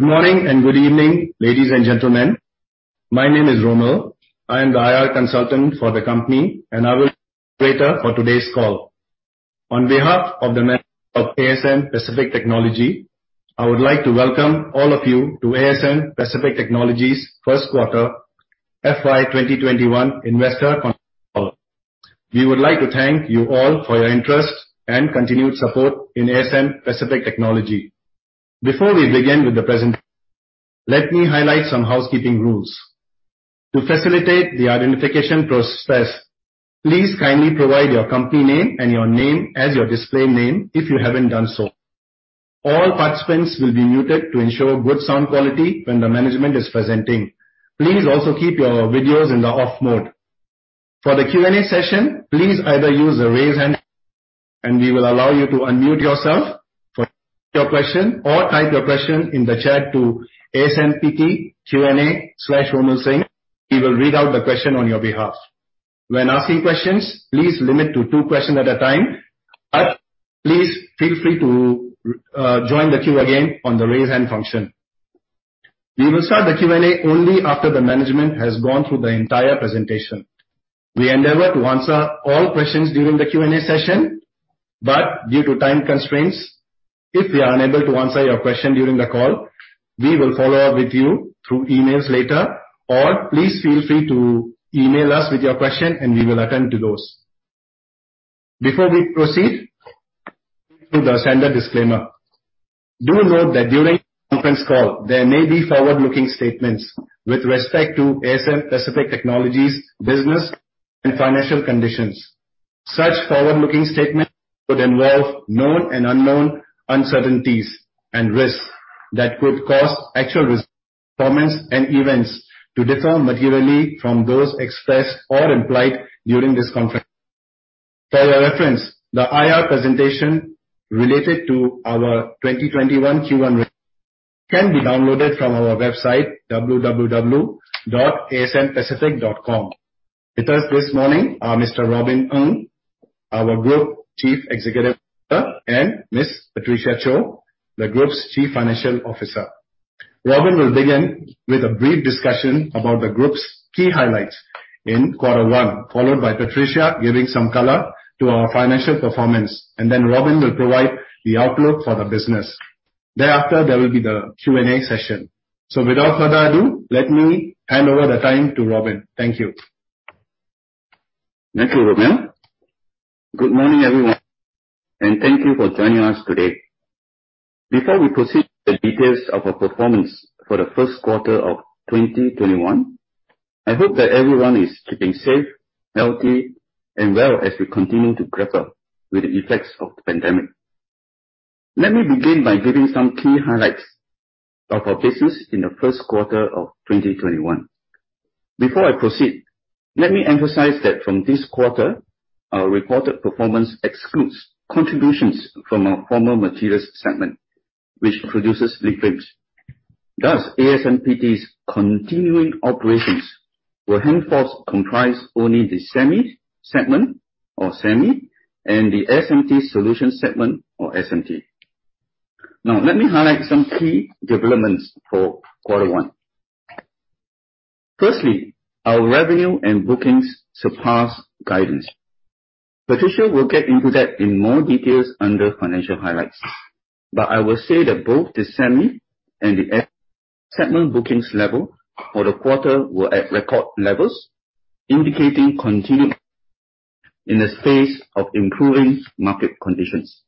Good morning, and good evening, ladies and gentlemen. My name is Romil. I am the IR consultant for the company, and I will be your operator for today's call. On behalf of the management of ASM Pacific Technology, I would like to welcome all of you to ASM Pacific Technology's first quarter FY 2021 investor conference call. We would like to thank you all for your interest and continued support in ASM Pacific Technology. Before we begin with the presentation, let me highlight some housekeeping rules. To facilitate the identification process, please kindly provide your company name and your name as your display name if you haven't done so. All participants will be muted to ensure good sound quality when the management is presenting. Please also keep your videos in the off mode. For the Q&A session, please either use the raise hand, and we will allow you to unmute yourself to ask your question or type your question in the chat to asmptqa/Romil Singh, we will read out the question on your behalf. When asking questions, please limit to two questions at a time. Please feel free to join the queue again on the raise hand function. We will start the Q&A only after the management has gone through the entire presentation. We endeavor to answer all questions during the Q&A session. Due to time constraints, if we are unable to answer your question during the call, we will follow up with you through emails later. Please feel free to email us with your question, and we will attend to those. Before we proceed, to the standard disclaimer. Do note that during the conference call, there may be forward-looking statements with respect to ASM Pacific Technology's business and financial conditions. Such forward-looking statements could involve known and unknown uncertainties and risks that could cause actual results, performance, and events to differ materially from those expressed or implied during this conference. For your reference, the IR presentation related to our 2021 Q1 results can be downloaded from our website, www.asmpacific.com. With us this morning are Mr. Robin Ng, our Group Chief Executive Officer, and Ms. Patricia Chou, the Group's Chief Financial Officer. Robin will begin with a brief discussion about the group's key highlights in quarter one, followed by Patricia giving some color to our financial performance, then Robin will provide the outlook for the business. Thereafter, there will be the Q&A session. Without further ado, let me hand over the time to Robin. Thank you. Thank you, Romil. Good morning, everyone, and thank you for joining us today. Before we proceed with the details of our performance for the first quarter of 2021, I hope that everyone is keeping safe, healthy, and well as we continue to grapple with the effects of the pandemic. Let me begin by giving some key highlights of our business in the first quarter of 2021. Before I proceed, let me emphasize that from this quarter, our reported performance excludes contributions from our former materials segment, which produces leadframes. Thus, ASMPT's continuing operations will henceforth comprise only the SEMI segment or SEMI, and the SMT solution segment or SMT. Now, let me highlight some key developments for quarter one. Firstly, our revenue and bookings surpass guidance. Patricia will get into that in more details under financial highlights. I will say that both the SEMI and the SMT segment bookings level for the quarter were at record levels, indicating continued in the face of improving market conditions.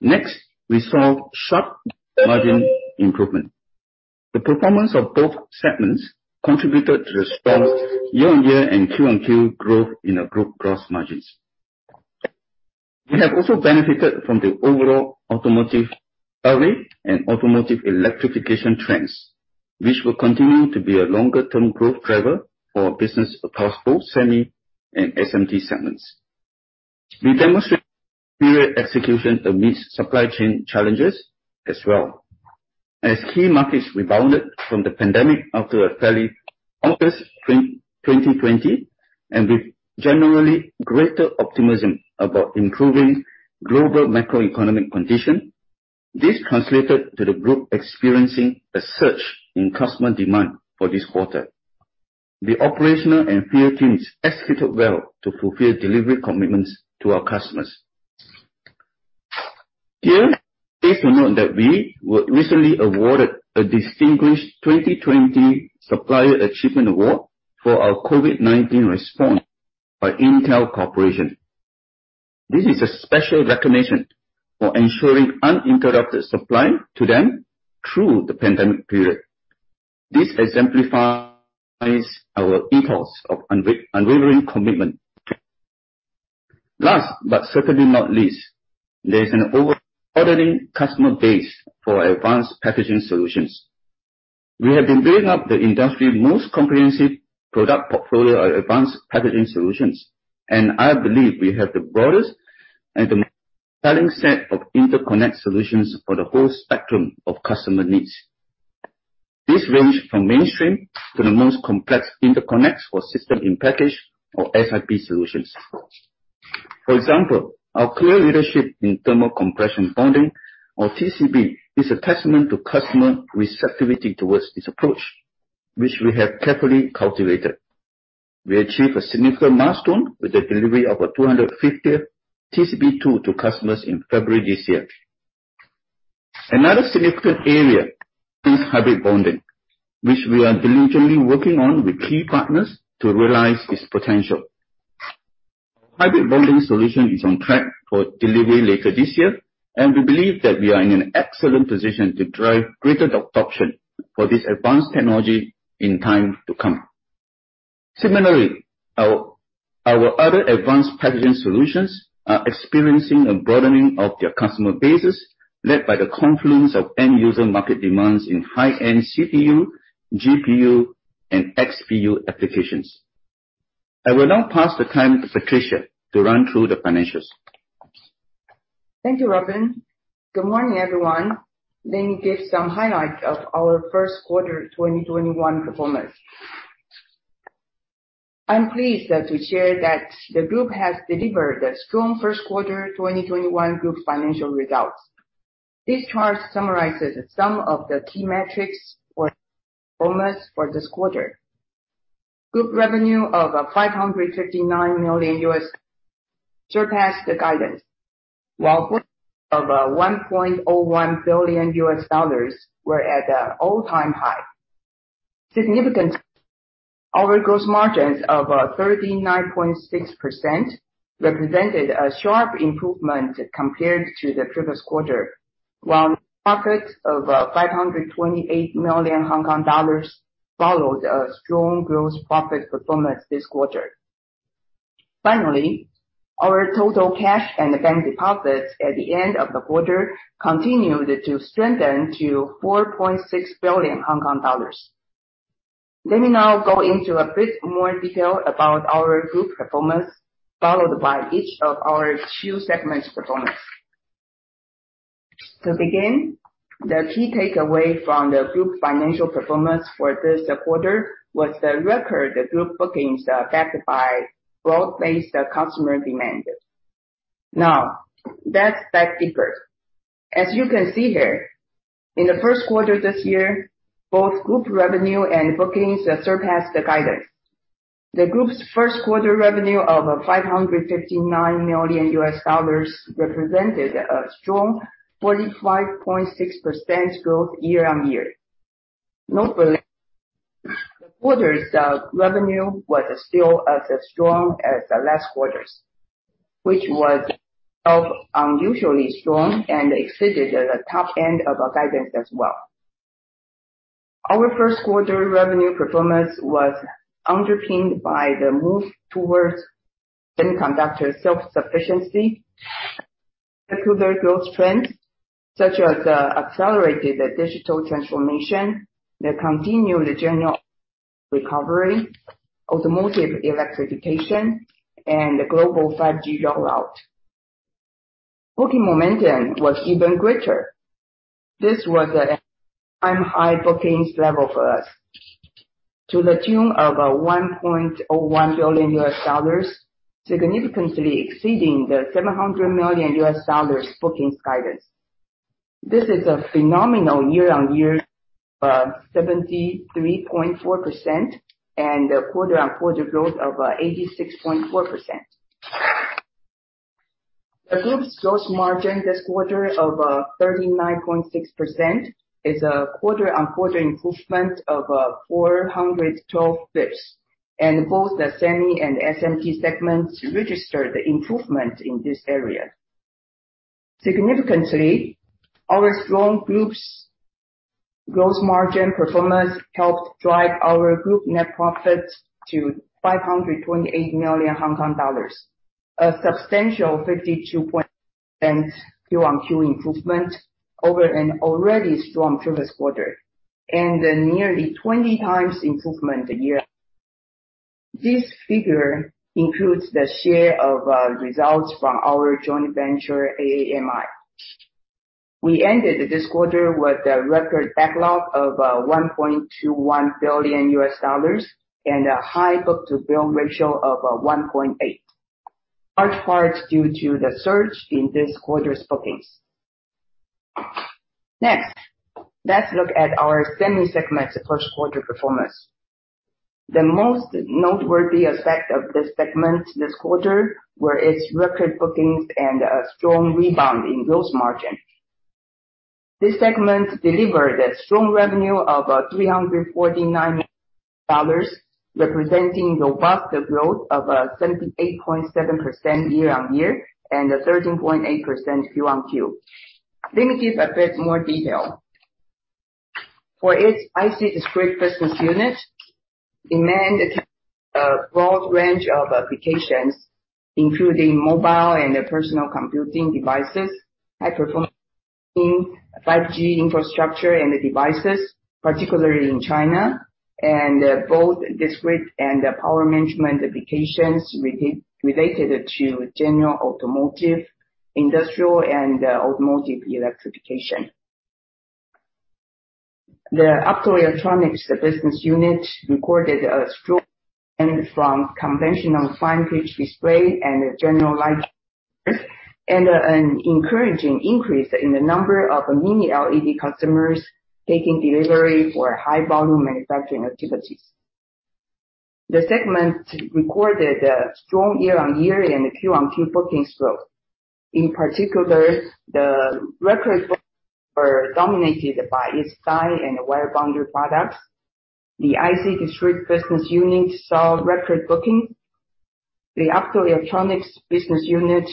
Next, we saw sharp margin improvement. The performance of both segments contributed to the strong year-on-year and Q-on-Q growth in our group gross margins. We have also benefited from the overall automotive array and automotive electrification trends, which will continue to be a longer-term growth driver for business across both SEMI and SMT segments. We demonstrate superior execution amidst supply-chain challenges as well. Key markets rebounded from the pandemic after a fairly off 2020, and with generally greater optimism about improving global macroeconomic condition, this translated to the group experiencing a surge in customer demand for this quarter. The operational and field teams executed well to fulfill delivery commitments to our customers. Here, safe to note that we were recently awarded a distinguished 2020 Supplier Achievement Award for our COVID-19 response by Intel Corporation. This is a special recognition for ensuring uninterrupted supply to them through the pandemic period. This exemplifies our ethos of unwavering commitment. Last, but certainly not least, there's an over ordering customer base for advanced packaging solutions. We have been building up the industry's most comprehensive product portfolio of advanced packaging solutions, and I believe we have the broadest and the most selling set of interconnect solutions for the whole spectrum of customer needs. These range from mainstream to the most complex interconnects or system-in-package or SiP solutions. For example, our clear leadership in thermo-compression bonding or TCB, is a testament to customer receptivity towards this approach, which we have carefully cultivated. We achieved a significant milestone with the delivery of our 250th TCB tool to customers in February this year. Another significant area is hybrid bonding, which we are diligently working on with key partners to realize its potential. Hybrid bonding solution is on track for delivery later this year, and we believe that we are in an excellent position to drive greater adoption for this advanced technology in time to come. Similarly, our other advanced packaging solutions are experiencing a broadening of their customer bases, led by the confluence of end-user market demands in high-end CPU, GPU, and XPU applications. I will now pass the time to Patricia to run through the financials. Thank you, Robin. Good morning, everyone. Let me give some highlights of our first quarter 2021 performance. I am pleased to share that the group has delivered a strong first quarter 2021 group financial results. This chart summarizes some of the key metrics for performance for this quarter. Group revenue of $559 million surpassed the guidance, while bookings of $1.01 billion were at an all-time high. Significantly, our gross margins of 39.6% represented a sharp improvement compared to the previous quarter, while profit of 528 million Hong Kong dollars followed a strong gross profit performance this quarter. Finally, our total cash and bank deposits at the end of the quarter continued to strengthen to 4.6 billion Hong Kong dollars. Let me now go into a bit more detail about our group performance, followed by each of our two segments' performance. To begin, the key takeaway from the group financial performance for this quarter was the record group bookings backed by broad-based customer demand. Now, let's dive deeper. As you can see here, in the first quarter this year, both group revenue and bookings surpassed the guidance. The group's first quarter revenue of $559 million represented a strong 45.6% growth year-on-year. Notably, the quarter's revenue was still as strong as the last quarter's, which was itself unusually strong and exceeded the top end of our guidance as well. Our first quarter revenue performance was underpinned by the move towards semiconductor self-sufficiency, secular growth trends such as accelerated digital transformation, the continued general recovery, automotive electrification, and the global 5G rollout. Booking momentum was even greater. This was an all-time high bookings level for us to the tune of $1.01 billion, significantly exceeding the $700 million bookings guidance. This is a phenomenal year-on-year of 73.4% and a quarter-on-quarter growth of 86.4%. The group's gross margin this quarter of 39.6% is a quarter-on-quarter improvement of 412 basis points, both the SEMI and SMT segments registered the improvement in this area. Significantly, our strong group's gross margin performance helped drive our group net profit to 528 million Hong Kong dollars, a substantial 52.6% Q-on-Q improvement over an already strong previous quarter, a nearly 20x improvement year-on-year. This figure includes the share of results from our joint venture, AAMI. We ended this quarter with a record backlog of $1.21 billion, a high book-to-bill ratio of 1.8, large parts due to the surge in this quarter's bookings. Next, let's look at our SEMI segment's first quarter performance. The most noteworthy aspect of this segment this quarter were its record bookings and a strong rebound in gross margin. This segment delivered a strong revenue of $349 million, representing robust growth of 78.7% year-on-year and 13.8% Q-on-Q. Let me give a bit more detail. For its IC discrete Business Unit, demand a broad range of applications, including mobile and personal computing devices, high-performance computing, 5G infrastructure and devices, particularly in China, and both discrete and power management applications related to general industrial and automotive electrification. The optoelectronics Business Unit recorded a strong from conventional fine pitch display and general lighting and an encouraging increase in the number of Mini LED customers taking delivery for high volume manufacturing activities. The segment recorded a strong year-on-year and a Q-on-Q bookings growth. In particular, the record were dominated by its die and wire bonding products. The IC/discrete Business Unit saw record booking. The optoelectronics Business Unit,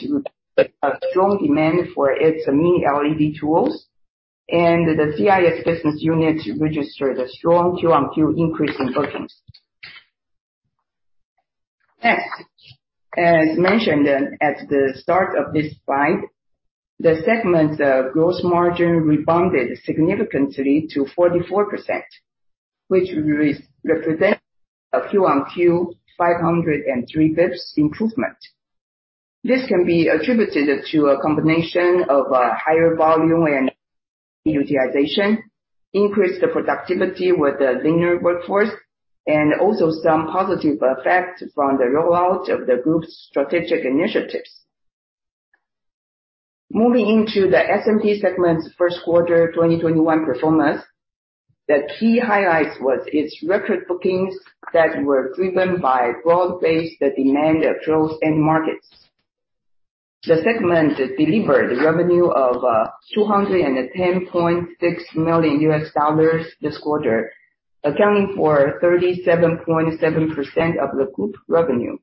a strong demand for its Mini LED tools. The CIS business unit registered a strong Q-on-Q increase in bookings. Next, as mentioned at the start of this slide, the segment gross margin rebounded significantly to 44%, which represents a Q-on-Q 503 basis points improvement. This can be attributed to a combination of higher volume and utilization, increased productivity with the leaner workforce, and also some positive effect from the rollout of the group's strategic initiatives. Moving into the SMT segment's first quarter 2021 performance. The key highlights was its record bookings that were driven by broad-based demand across end markets. The segment delivered revenue of $210.6 million this quarter, accounting for 37.7% of the group revenue.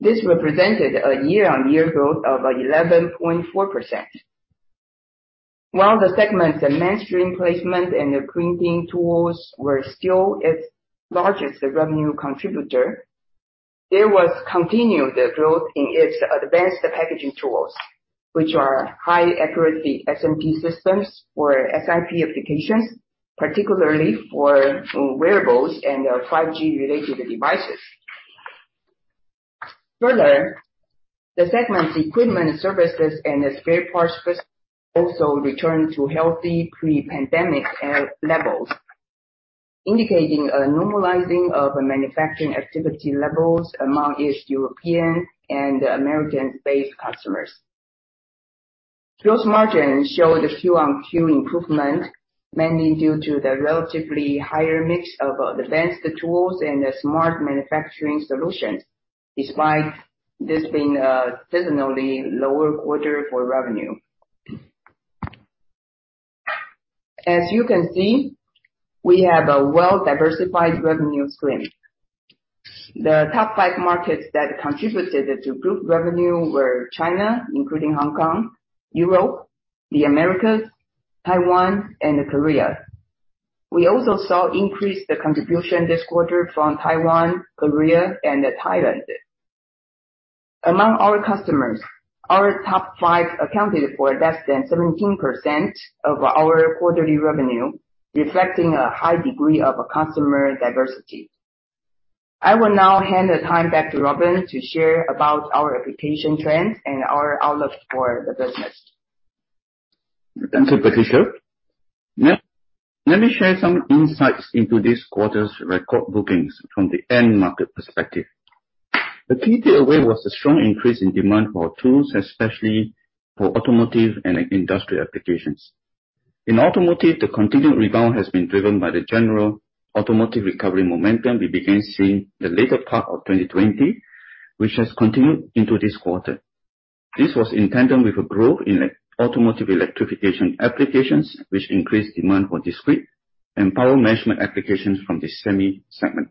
This represented a year-on-year growth of 11.4%. While the segment's mainstream placement and printing tools were still its largest revenue contributor, there was continued growth in its advanced packaging tools, which are high-accuracy SMT systems for SiP applications, particularly for wearables and 5G-related devices. Further, the segment's equipment services and spare parts also returned to healthy pre-pandemic levels, indicating a normalizing of manufacturing activity levels among its European and American-based customers. Gross margin showed a Q-on-Q improvement, mainly due to the relatively higher mix of advanced tools and smart manufacturing solutions, despite this being a seasonally lower quarter for revenue. As you can see, we have a well-diversified revenue stream. The top five markets that contributed to group revenue were China, including Hong Kong, Europe, the Americas, Taiwan, and Korea. We also saw increased contribution this quarter from Taiwan, Korea, and Thailand. Among our customers, our top five accounted for less than 17% of our quarterly revenue, reflecting a high degree of customer diversity. I will now hand the time back to Robin to share about our application trends and our outlook for the business. Thank you, Patricia. Now, let me share some insights into this quarter's record bookings from the end market perspective. The key takeaway was a strong increase in demand for tools, especially for automotive and industrial applications. In automotive, the continued rebound has been driven by the general automotive recovery momentum we began seeing the later part of 2020, which has continued into this quarter. This was in tandem with a growth in automotive electrification applications, which increased demand for discrete and power management applications from the SEMI segment.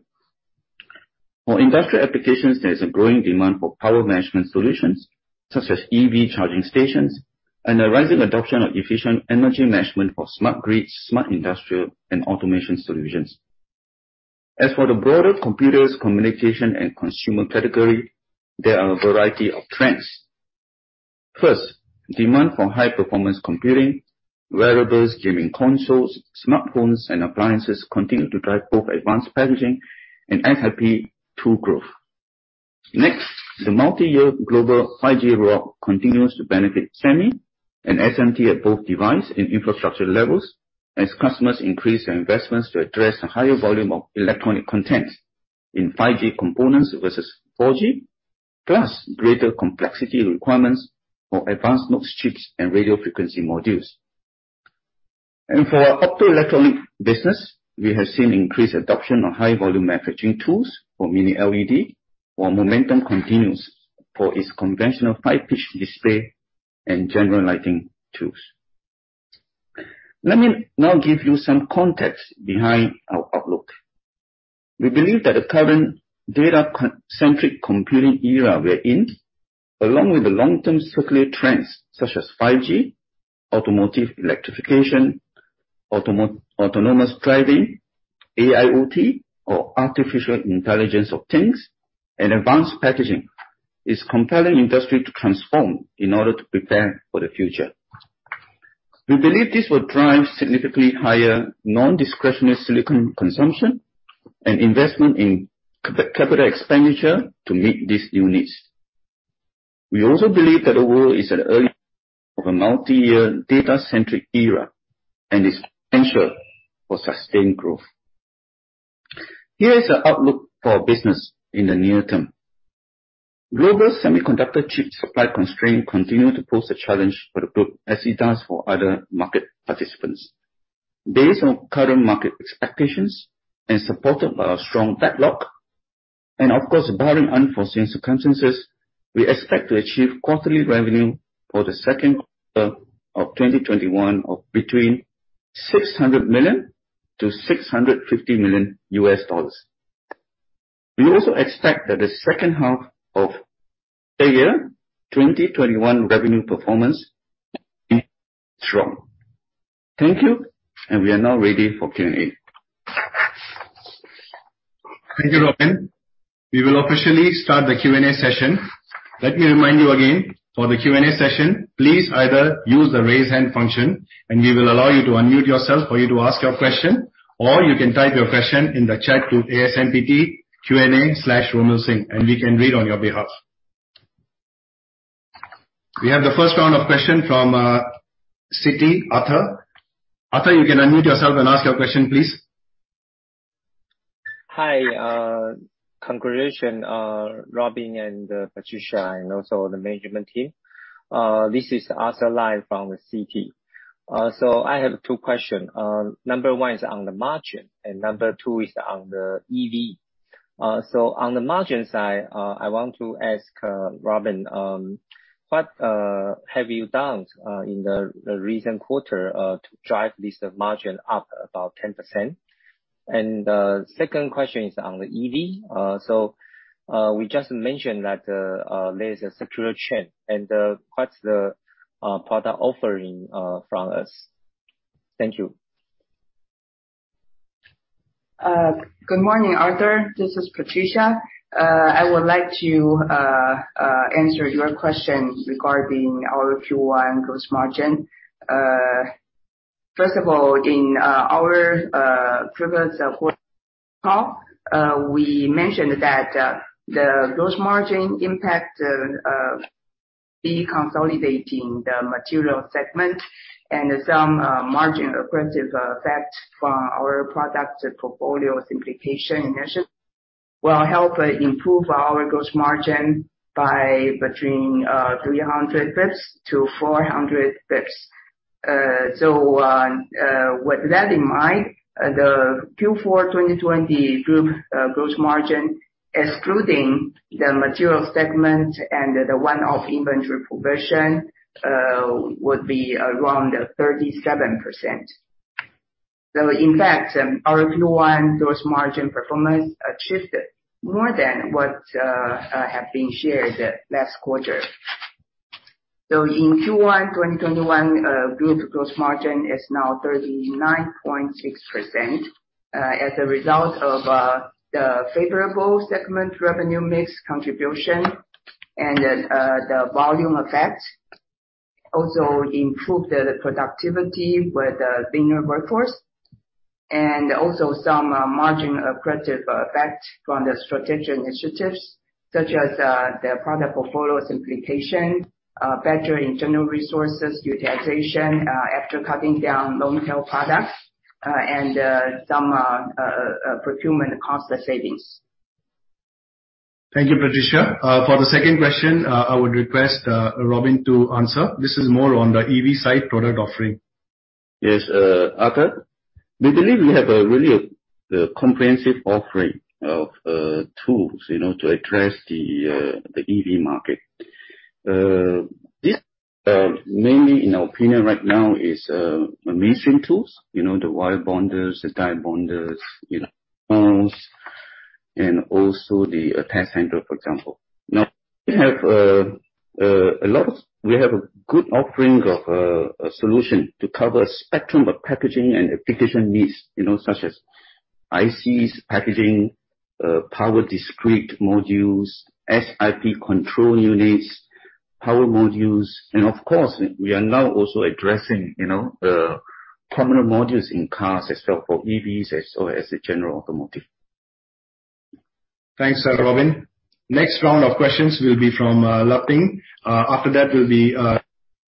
For industrial applications, there is a growing demand for power management solutions such as EV charging stations and a rising adoption of efficient energy management for smart grid, smart industrial, and automation solutions. As for the broader computers, communication, and consumer category, there are a variety of trends. Demand for high-performance computing, wearables, gaming consoles, smartphones, and appliances continue to drive both advanced packaging and SiP tool growth. The multiyear global 5G rollout continues to benefit SEMI and SMT at both device and infrastructure levels as customers increase their investments to address a higher volume of electronic content in 5G components versus 4G, plus greater complexity requirements for advanced node chips and radio frequency modules. For our Optoelectronic business, we have seen increased adoption of high volume manufacturing tools for Mini LED, while momentum continues for its conventional fine pitch display and general lighting tools. Let me now give you some context behind our outlook. We believe that the current data-centric computing era we're in, along with the long-term secular trends such as 5G, automotive electrification, autonomous driving, AIoT or Artificial Intelligence of Things, and advanced packaging, is compelling industry to transform in order to prepare for the future. We believe this will drive significantly higher non-discretionary silicon consumption and investment in capital expenditure to meet these new needs. We also believe that the world is at the early of a multi-year data-centric era and is essential for sustained growth. Here is the outlook for business in the near term. Global semiconductor chip supply constraints continue to pose a challenge for the group as it does for other market participants. Based on current market expectations and supported by our strong backlog, and of course, barring unforeseen circumstances, we expect to achieve quarterly revenue for the second quarter of 2021 of between $600 million-$650 million. We also expect that the second half of the year 2021 revenue performance to be strong. Thank you. We are now ready for Q&A. Thank you, Robin. We will officially start the Q&A session. Let me remind you again, for the Q&A session, please either use the raise hand function, and we will allow you to unmute yourself for you to ask your question, or you can type your question in the chat to ASMPT Q&A/Romil Singh, and we can read on your behalf. We have the first round of question from Citi, Arthur. Arthur, you can unmute yourself and ask your question, please. Hi. Congratulations, Robin and Patricia, and also the management team. This is Arthur Lai from the Citi. I have two questions. Number one is on the margin, and number two is on the EV. On the margin side, I want to ask Robin, what have you done in the recent quarter to drive this margin up about 10%? The second question is on the EV. We just mentioned that there is a supply-chain and what's the product offering from us? Thank you. Good morning, Arthur. This is Patricia. I would like to answer your questions regarding our Q1 gross margin. First of all, in our previous quarter call, we mentioned that the gross margin impact of deconsolidating the materials segment and some margin accretive effect from our product portfolio simplification initiative will help improve our gross margin by between 300-400 basis points. With that in mind, the Q4 2020 group gross margin, excluding the materials segment and the one-off inventory provision, would be around 37%. In fact, our Q1 gross margin performance shifted more than what have been shared last quarter. In Q1 2021, group gross margin is now 39.6% as a result of the favorable segment revenue mix contribution. The volume effect also improved the productivity with the thinner workforce and also some margin accretive effect from the strategic initiatives such as the product portfolio simplification, better internal resources utilization after cutting down long-tail products, and some procurement cost savings. Thank you, Patricia. For the second question, I would request Robin to answer. This is more on the EV side product offering. Yes. Arthur, we believe we have a really comprehensive offering of tools to address the EV market. This mainly, in our opinion right now, is mainstream tools, the wire bonders, the die bonders, you know, and also the TechCenter, for example. Now we have a lot of, we have a good offering of solutions to cover the spectrum of packaging and application needs such as ICs packaging, power-discrete modules, SiP control units, power modules and of course, we are now also addressing the thermal modules in cars as well for EVs as well as the general automotive market. Thanks, Robin. The next round of questions will be from Leping. After that will be,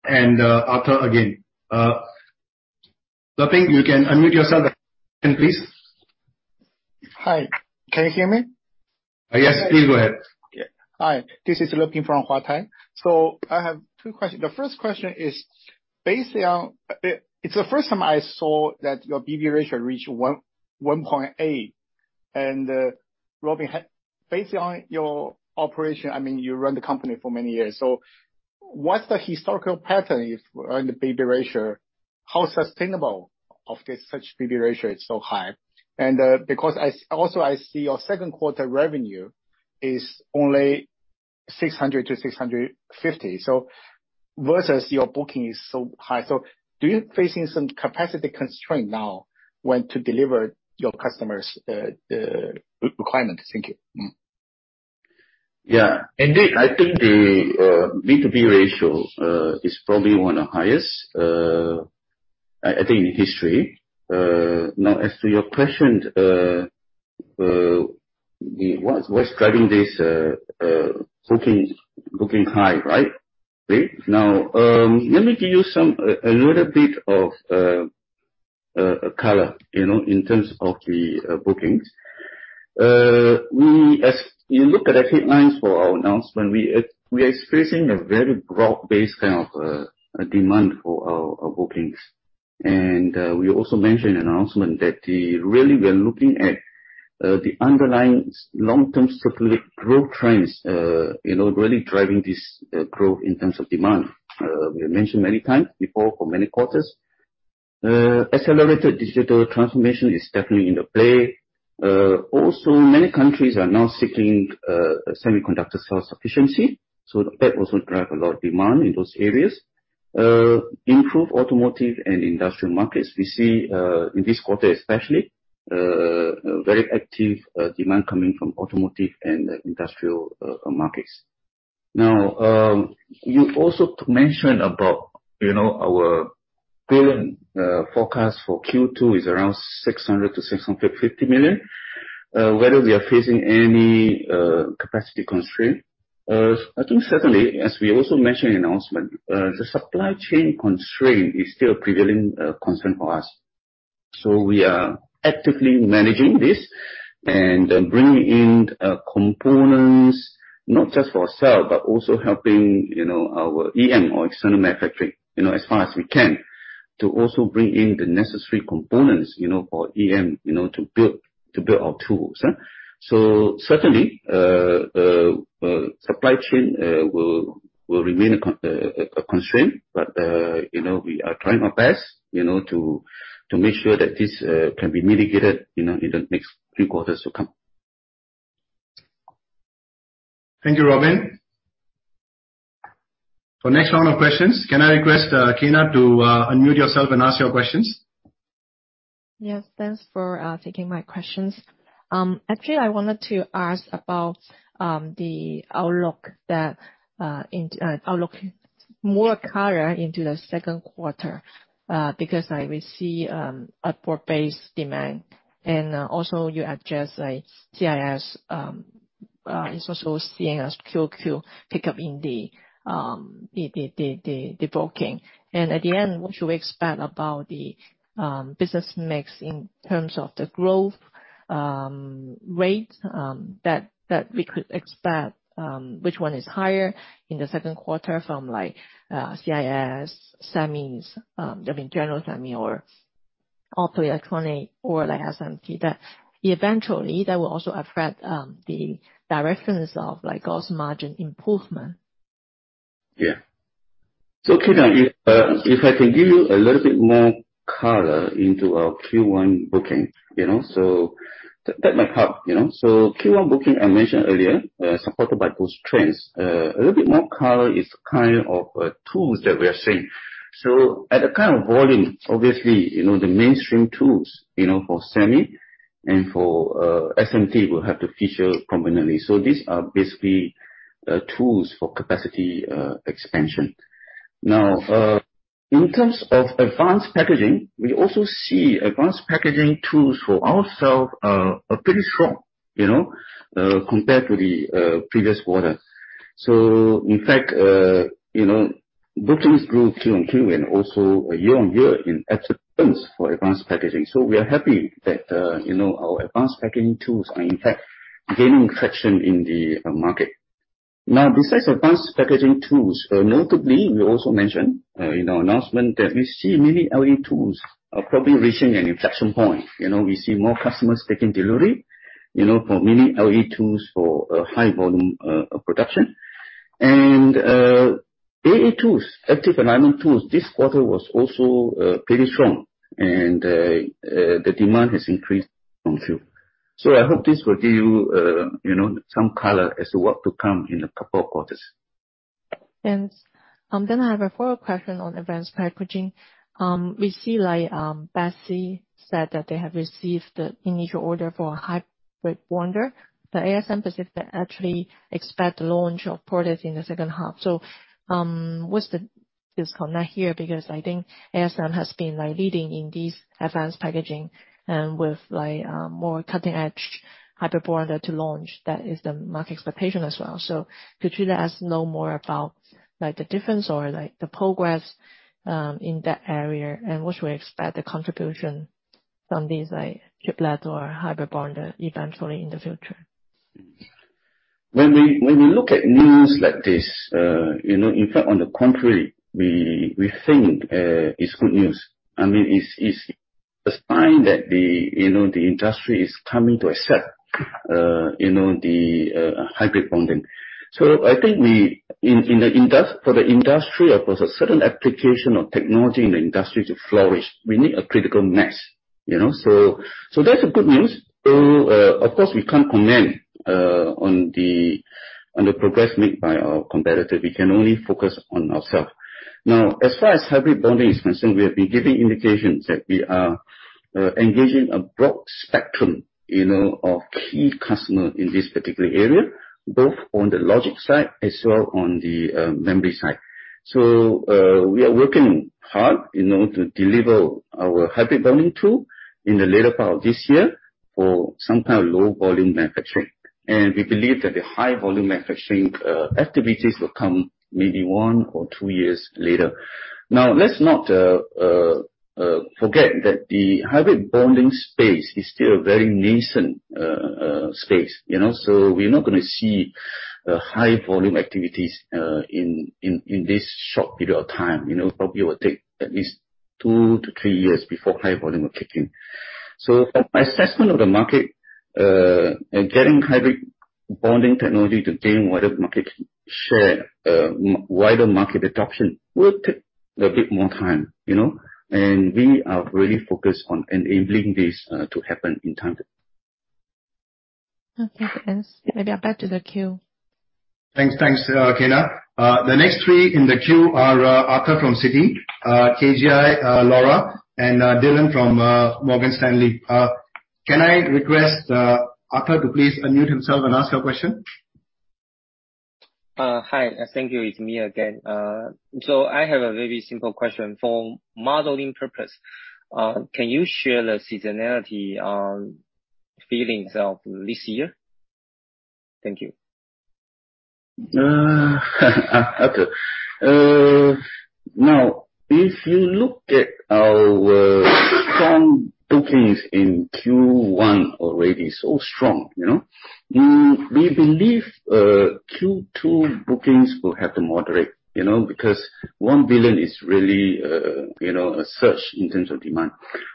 Arthur again. Leping you can unmute yourself please? Hi. Can you hear me? Yes, please go ahead. Yeah. Hi, this is Leping Huang from Huatai. I have two questions. The first question is, it's the first time I saw that your B/B ratio reached 1.8, and Robin, based on your operation, you run the company for many years. What's the historical pattern on the B/B ratio? How sustainable of this such B/B ratio it's so high? Because also I see your second quarter revenue is only $600 million-$650 million. Versus your booking is so high. Do you facing some capacity constraint now when to deliver your customers' requirements? Thank you. Yeah. Indeed, I think the book-to-bill ratio is probably one of the highest, I think in history. Now, as to your question, what's driving this booking high? Right? Now, let me give you a little bit of color in terms of the bookings. As you look at the headlines for our announcement, we are experiencing a very broad-based kind of demand for our bookings. We also mentioned in the announcement that really we are looking at the underlying long-term structural growth trends really driving this growth in terms of demand. We have mentioned many times before for many quarters, accelerated digital transformation is definitely in play. Also, many countries are now seeking semiconductor self-sufficiency, so that also drives a lot of demand in those areas. Improved automotive and industrial markets. We see, in this quarter especially, very active demand coming from automotive and industrial markets. You also mentioned about our billing forecast for Q2 is around $600 million-$650 million, whether we are facing any capacity constraints. I think certainly, as we also mentioned in the announcement, the supply-chain constraint is still a prevailing concern for us. We are actively managing this and bringing in components not just for ourselves, but also helping our EM or external manufacturing as far as we can, to also bring in the necessary components for EM to build our tools. Certainly, supply-chain will remain a constraint. We are trying our best to make sure that this can be mitigated in the next few quarters to come. Thank you, Robin. For the next round of questions, can I request Kyna to unmute yourself and ask your questions? Yes. Thanks for taking my questions. Actually, I wanted to ask about the outlook more color into the second quarter, because we see output-based demand. Also you addressed CIS is also seeing a QoQ pickup in the booking. At the end, what should we expect about the business mix in terms of the growth rate that we could expect, which one is higher in the second quarter from CIS, SEMIs, I mean general SEMI or auto electronic or ASMPT? That eventually will also affect the directions of gross margin improvement. Yeah. Kyna, if I can give you a little bit more color into our Q1 booking, that might help. Q1 booking, I mentioned earlier, supported by both trends. A little bit more color is kind of tools that we are seeing. At the kind of volume, obviously, the mainstream tools for SEMI and for SMT will have to feature prominently. These are basically tools for capacity expansion. Now, in terms of advanced packaging, we also see advanced packaging tools for ourselves are pretty strong compared to the previous quarter. In fact, bookings grew QoQ and also year-on-year in advance for advanced packaging. We are happy that our advanced packaging tools are in fact gaining traction in the market. Besides advanced packaging tools, notably, we also mentioned in our announcement that we see Mini LED tools are probably reaching an inflection point. We see more customers taking delivery for Mini LED tools for high volume production. AA tools, Active Alignment tools, this quarter was also pretty strong and the demand has increased from quarter. I hope this will give you some color as to what to come in the couple of quarters. Thanks. I have a follow-up question on advanced packaging. We see Besi said that they have received the initial order for a hybrid bonder, but ASMPT actually expect launch of product in the second half. What's the disconnect here? I think ASMPT has been leading in these advanced packaging and with more cutting-edge hybrid bonder to launch. That is the market expectation as well. Could you let us know more about the difference or the progress in that area, and what should we expect the contribution from these chiplet or hybrid bonder eventually in the future? When we look at news like this, in fact, on the contrary, we think it's good news. I mean, it's a sign that the industry is coming to accept the hybrid bonding. I think for the industry, of course, a certain application of technology in the industry to flourish, we need a critical mass. That's good news. Though, of course, we can't comment on the progress made by our competitor. We can only focus on ourselves. Now, as far as hybrid bonding is concerned, we have been giving indications that we are engaging a broad spectrum of key customers in this particular area, both on the logic side as well on the memory side. We are working hard to deliver our hybrid bonding tool in the latter part of this year for some low-volume manufacturing. We believe that the high-volume manufacturing activities will come maybe one or two years later. Now, let's not forget that the hybrid bonding space is still a very nascent space. We're not going to see high-volume activities in this short period of time. Probably it will take at least two to three years before high volume will kick in. My assessment of the market, getting hybrid bonding technology to gain wider market share, wider market adoption, will take a bit more time. We are really focused on enabling this to happen in time. Okay, thanks. Maybe back to the queue. Thanks. Thanks, Kyna. The next three in the queue are Arthur from Citi, KGI, Laura, and Dylan from Morgan Stanley. Can I request Arthur to please unmute himself and ask your question? Hi. Thank you. It's me again. I have a very simple question. For modeling purpose, can you share the seasonality on billings of this year? Thank you. Okay. If you look at our strong bookings in Q1 already, so strong. We believe Q2 bookings will have to moderate because. $1 billion is really a surge in terms of demand.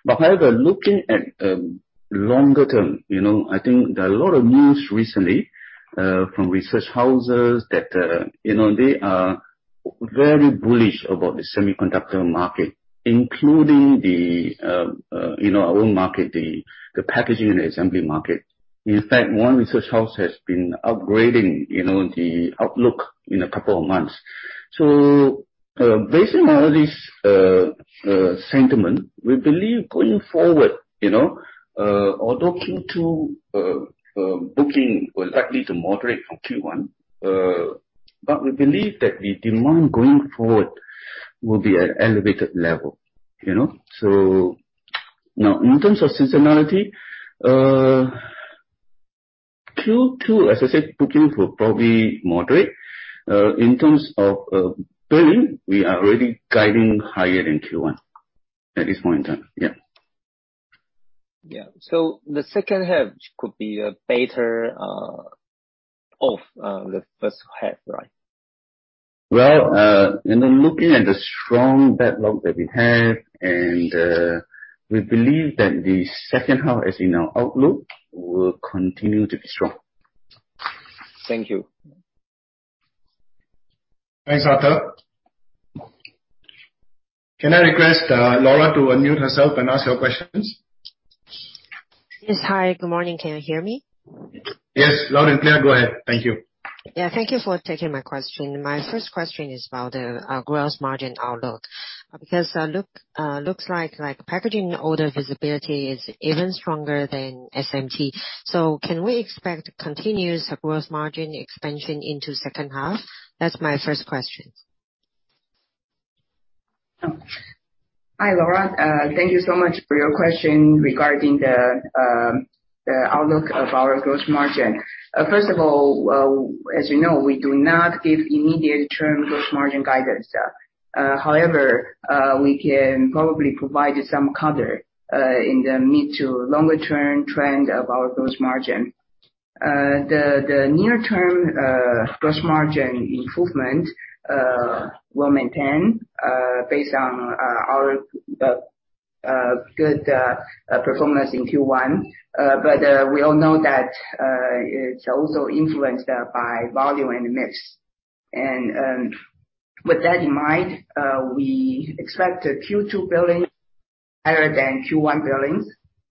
Looking at longer term, I think there are a lot of news recently from research houses that they are very bullish about the semiconductor market, including our own market, the packaging and assembly market. In fact, one research house has been upgrading the outlook in a couple of months. Based on all this sentiment, we believe going forward, although Q2 booking will likely to moderate from Q1, we believe that the demand going forward will be at elevated level. In terms of seasonality, Q2, as I said, bookings will probably moderate. In terms of billing, we are already guiding higher than Q1 at this point in time. Yeah. Yeah. The second half could be better off the first half, right? Well, looking at the strong backlog that we have, and we believe that the second half, as in our outlook, will continue to be strong. Thank you. Thanks, Arthur. Can I request Laura to unmute herself and ask your questions? Yes. Hi. Good morning. Can you hear me? Yes, loud and clear. Go ahead. Thank you. Yeah, thank you for taking my question. My first question is about the gross margin outlook, because looks like packaging order visibility is even stronger than SMT. Can we expect continuous gross margin expansion into second half? That's my first question. Hi, Laura. Thank you so much for your question regarding the outlook of our gross margin. First of all, as you know, we do not give immediate term gross margin guidance. However, we can probably provide some color in the mid to longer term trend of our gross margin. The near term gross margin improvement will maintain based on our good performance in Q1. We all know that it's also influenced by volume and mix. With that in mind, we expect the Q2 billing higher than Q1 billings.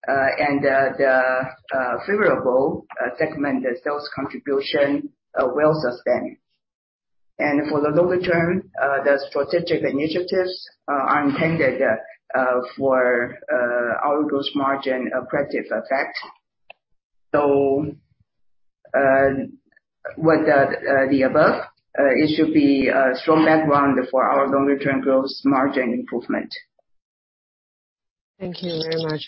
The favorable segment sales contribution will sustain. For the longer term, the strategic initiatives are intended for our gross margin accretive effect. With the above, it should be a strong background for our longer term gross margin improvement. Thank you very much.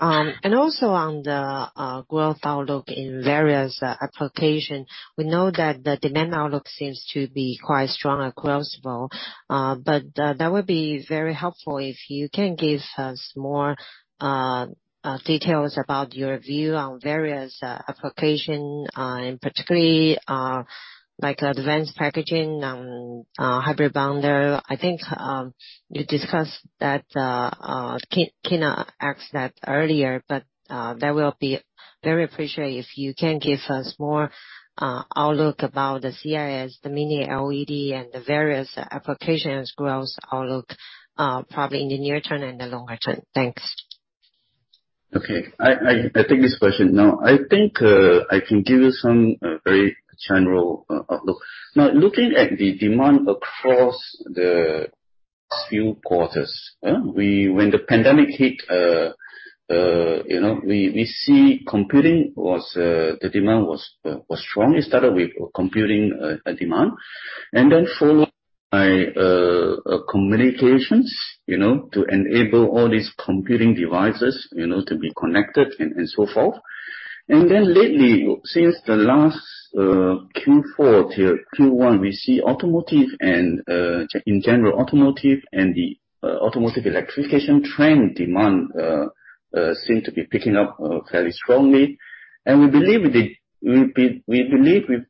Also on the growth outlook in various application, we know that the demand outlook seems to be quite strong across the board. That would be very helpful if you can give us more details about your view on various application, and particularly like advanced packaging and hybrid bonder. I think you discussed that, Kyna asked that earlier, but that will be very appreciated if you can give us more outlook about the CIS, the Mini LED, and the various applications growth outlook, probably in the near term and the longer term. Thanks. Okay. I take this question. I think I can give you some very general outlook. Looking at the demand across few quarters. When the pandemic hit, we see computing, the demand was strong. It started with computing demand and then followed by communications, to enable all these computing devices to be connected and so forth. Lately, since the last Q4-Q1, we see, in general, automotive and the automotive electrification trend demand seem to be picking up fairly strongly. We believe with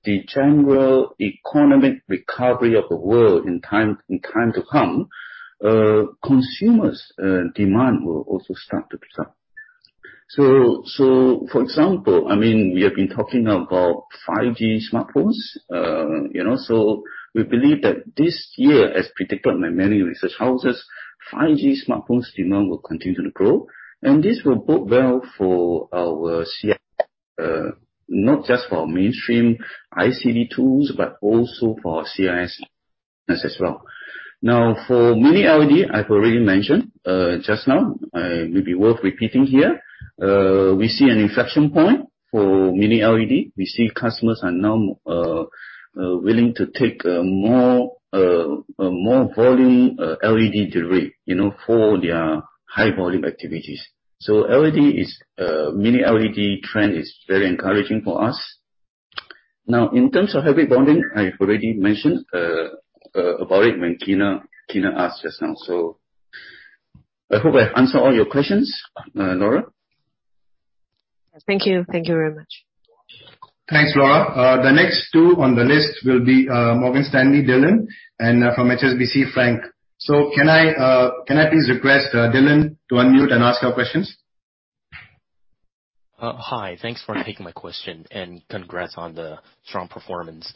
the general economic recovery of the world in time to come, consumers' demand will also start to pick up. For example, we have been talking about 5G smartphones. We believe that this year, as predicted by many research houses, 5G smartphones demand will continue to grow, and this will bode well for our, not just for our mainstream IC/discrete tools, but also for our CIS as well. For Mini LED, I've already mentioned just now, maybe worth repeating here. We see an inflection point for Mini LED. We see customers are now willing to take more volume LED delivery for their high-volume activities. Mini LED trend is very encouraging for us. In terms of hybrid bonding, I've already mentioned about it when Kyna asked just now. I hope I answered all your questions, Laura. Thank you. Thank you very much. Thanks, Laura. The next two on the list will be Morgan Stanley, Dylan, and from HSBC, Frank. Can I please request Dylan to unmute and ask your questions? Hi. Thanks for taking my question, and congrats on the strong performance.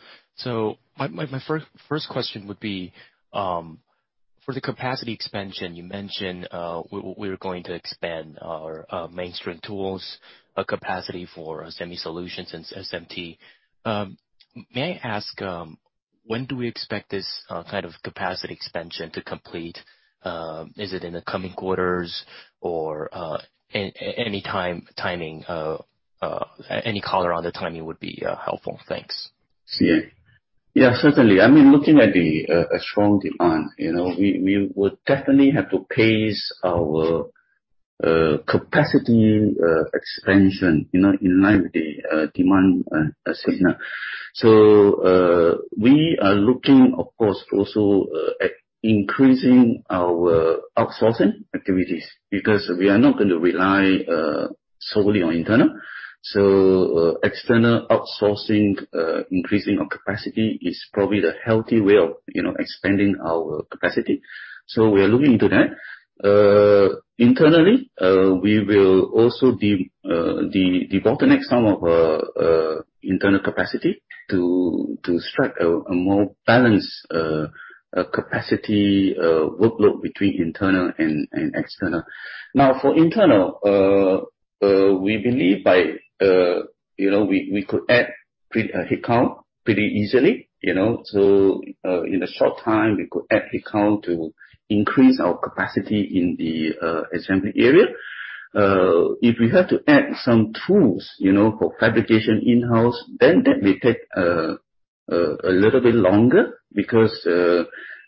My first question would be, for the capacity expansion you mentioned, we're going to expand our mainstream tools capacity for SEMI solutions and SMT. May I ask, when do we expect this kind of capacity expansion to complete? Is it in the coming quarters or any color on the timing would be helpful. Thanks. Certainly. Looking at a strong demand, we would definitely have to pace our capacity expansion in line with the demand signal. We are looking, of course, also at increasing our outsourcing activities, because we are not going to rely solely on internal. External outsourcing, increasing our capacity is probably the healthy way of expanding our capacity. We are looking into that. Internally, we will also devote the next time of internal capacity to strike a more balanced capacity workload between internal and external. Now for internal, we believe we could add headcount pretty easily. In a short time, we could add headcount to increase our capacity in the assembly area. If we have to add some tools for fabrication in-house, then that may take a little bit longer because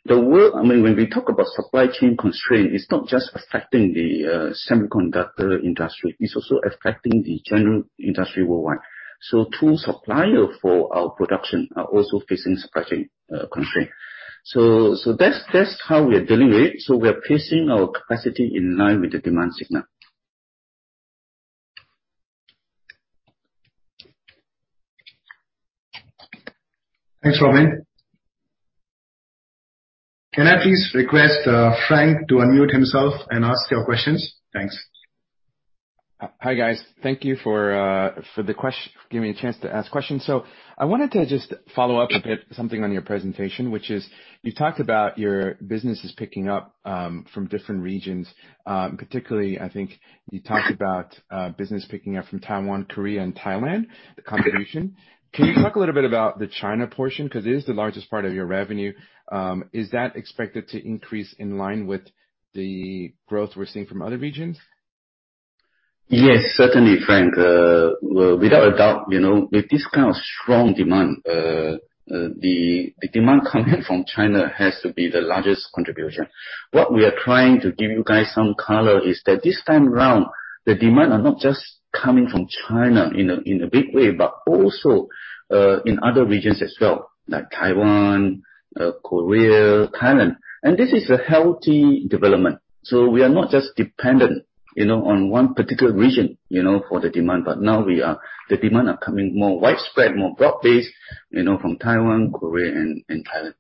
when we talk about supply-chain constraint, it is not just affecting the semiconductor industry, it is also affecting the general industry worldwide. Tools supplier for our production are also facing supply-chain constraint. That is how we are dealing with it. We are pacing our capacity in line with the demand signal. Thanks, Robin. Can I please request Frank to unmute himself and ask your questions? Thanks. Hi, guys. Thank you for giving me a chance to ask questions. I wanted to just follow up a bit something on your presentation, which is, you talked about your business is picking up from different regions. Particularly, I think you talked about business picking up from Taiwan, Korea, and Thailand, the contribution. Can you talk a little bit about the China portion? Because it is the largest part of your revenue. Is that expected to increase in line with the growth we're seeing from other regions? Yes, certainly, Frank. Without a doubt, with this kind of strong demand, the demand coming from China has to be the largest contribution. What we are trying to give you guys some color is that this time around, the demand are not just coming from China in a big way, but also in other regions as well, like Taiwan, Korea, Thailand. This is a healthy development. We are not just dependent on one particular region for the demand. Now the demand are coming more widespread, more broad-based from Taiwan, Korea, and Thailand.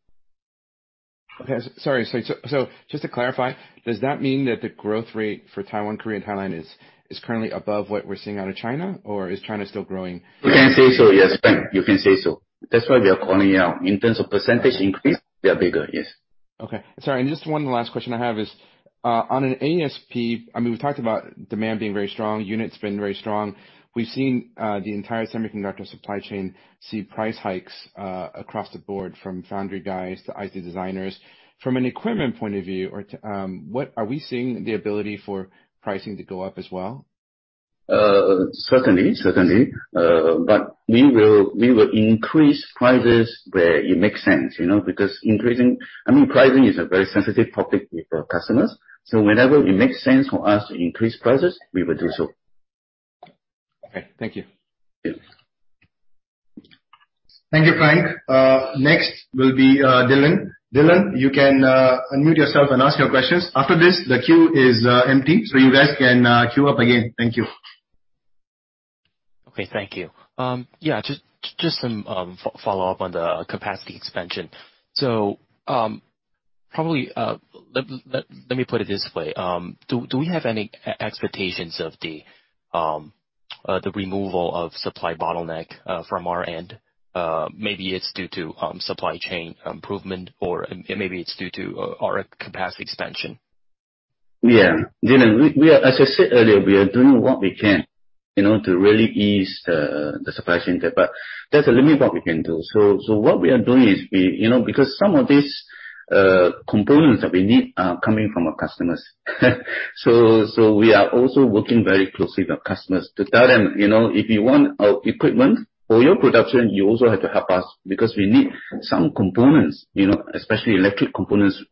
Okay. Sorry. Just to clarify, does that mean that the growth rate for Taiwan, Korea, and Thailand is currently above what we're seeing out of China, or is China still growing? You can say so, yes, Frank. You can say so. That's why we are calling it out. In terms of percentage increase, they're bigger. Yes. Okay. Sorry, just one last question I have is, on an ASP, we've talked about demand being very strong, units being very strong. We've seen the entire semiconductor supply-chain see price hikes across the board, from foundry guys to IC designers. From an equipment point of view, are we seeing the ability for pricing to go up as well? Certainly. We will increase prices where it makes sense, because pricing is a very sensitive topic with our customers. Whenever it makes sense for us to increase prices, we will do so. Okay. Thank you. Yeah. Thank you, Frank. Next will be Dylan. Dylan, you can unmute yourself and ask your questions. After this, the queue is empty, so you guys can queue up again. Thank you. Okay. Thank you. Yeah, just some follow-up on the capacity expansion. Probably, let me put it this way. Do we have any expectations of the removal of supply bottleneck from our end? Maybe it's due to supply-chain improvement, or maybe it's due to our capacity expansion. Yeah. Dylan, as I said earlier, we are doing what we can to really ease the supply-chain there, but there's a limit what we can do. What we are doing is, because some of these components that we need are coming from our customers, so we are also working very closely with our customers to tell them, "If you want our equipment for your production, you also have to help us, because we need some components, especially electric components."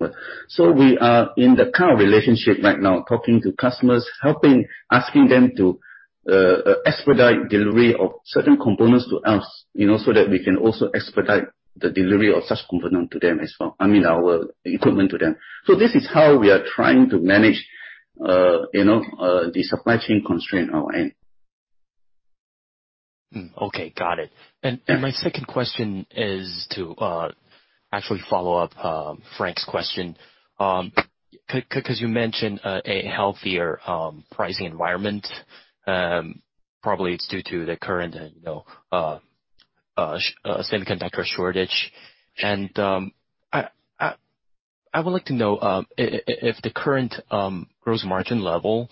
We are in that kind of relationship right now, talking to customers, helping, asking them to expedite delivery of certain components to us, so that we can also expedite the delivery of such component to them as well, our equipment to them. This is how we are trying to manage the supply-chain constraint our end. Okay. Got it. My second question is to actually follow up Frank's question, because you mentioned a healthier pricing environment. Probably it's due to the current semiconductor shortage. I would like to know if the current gross margin level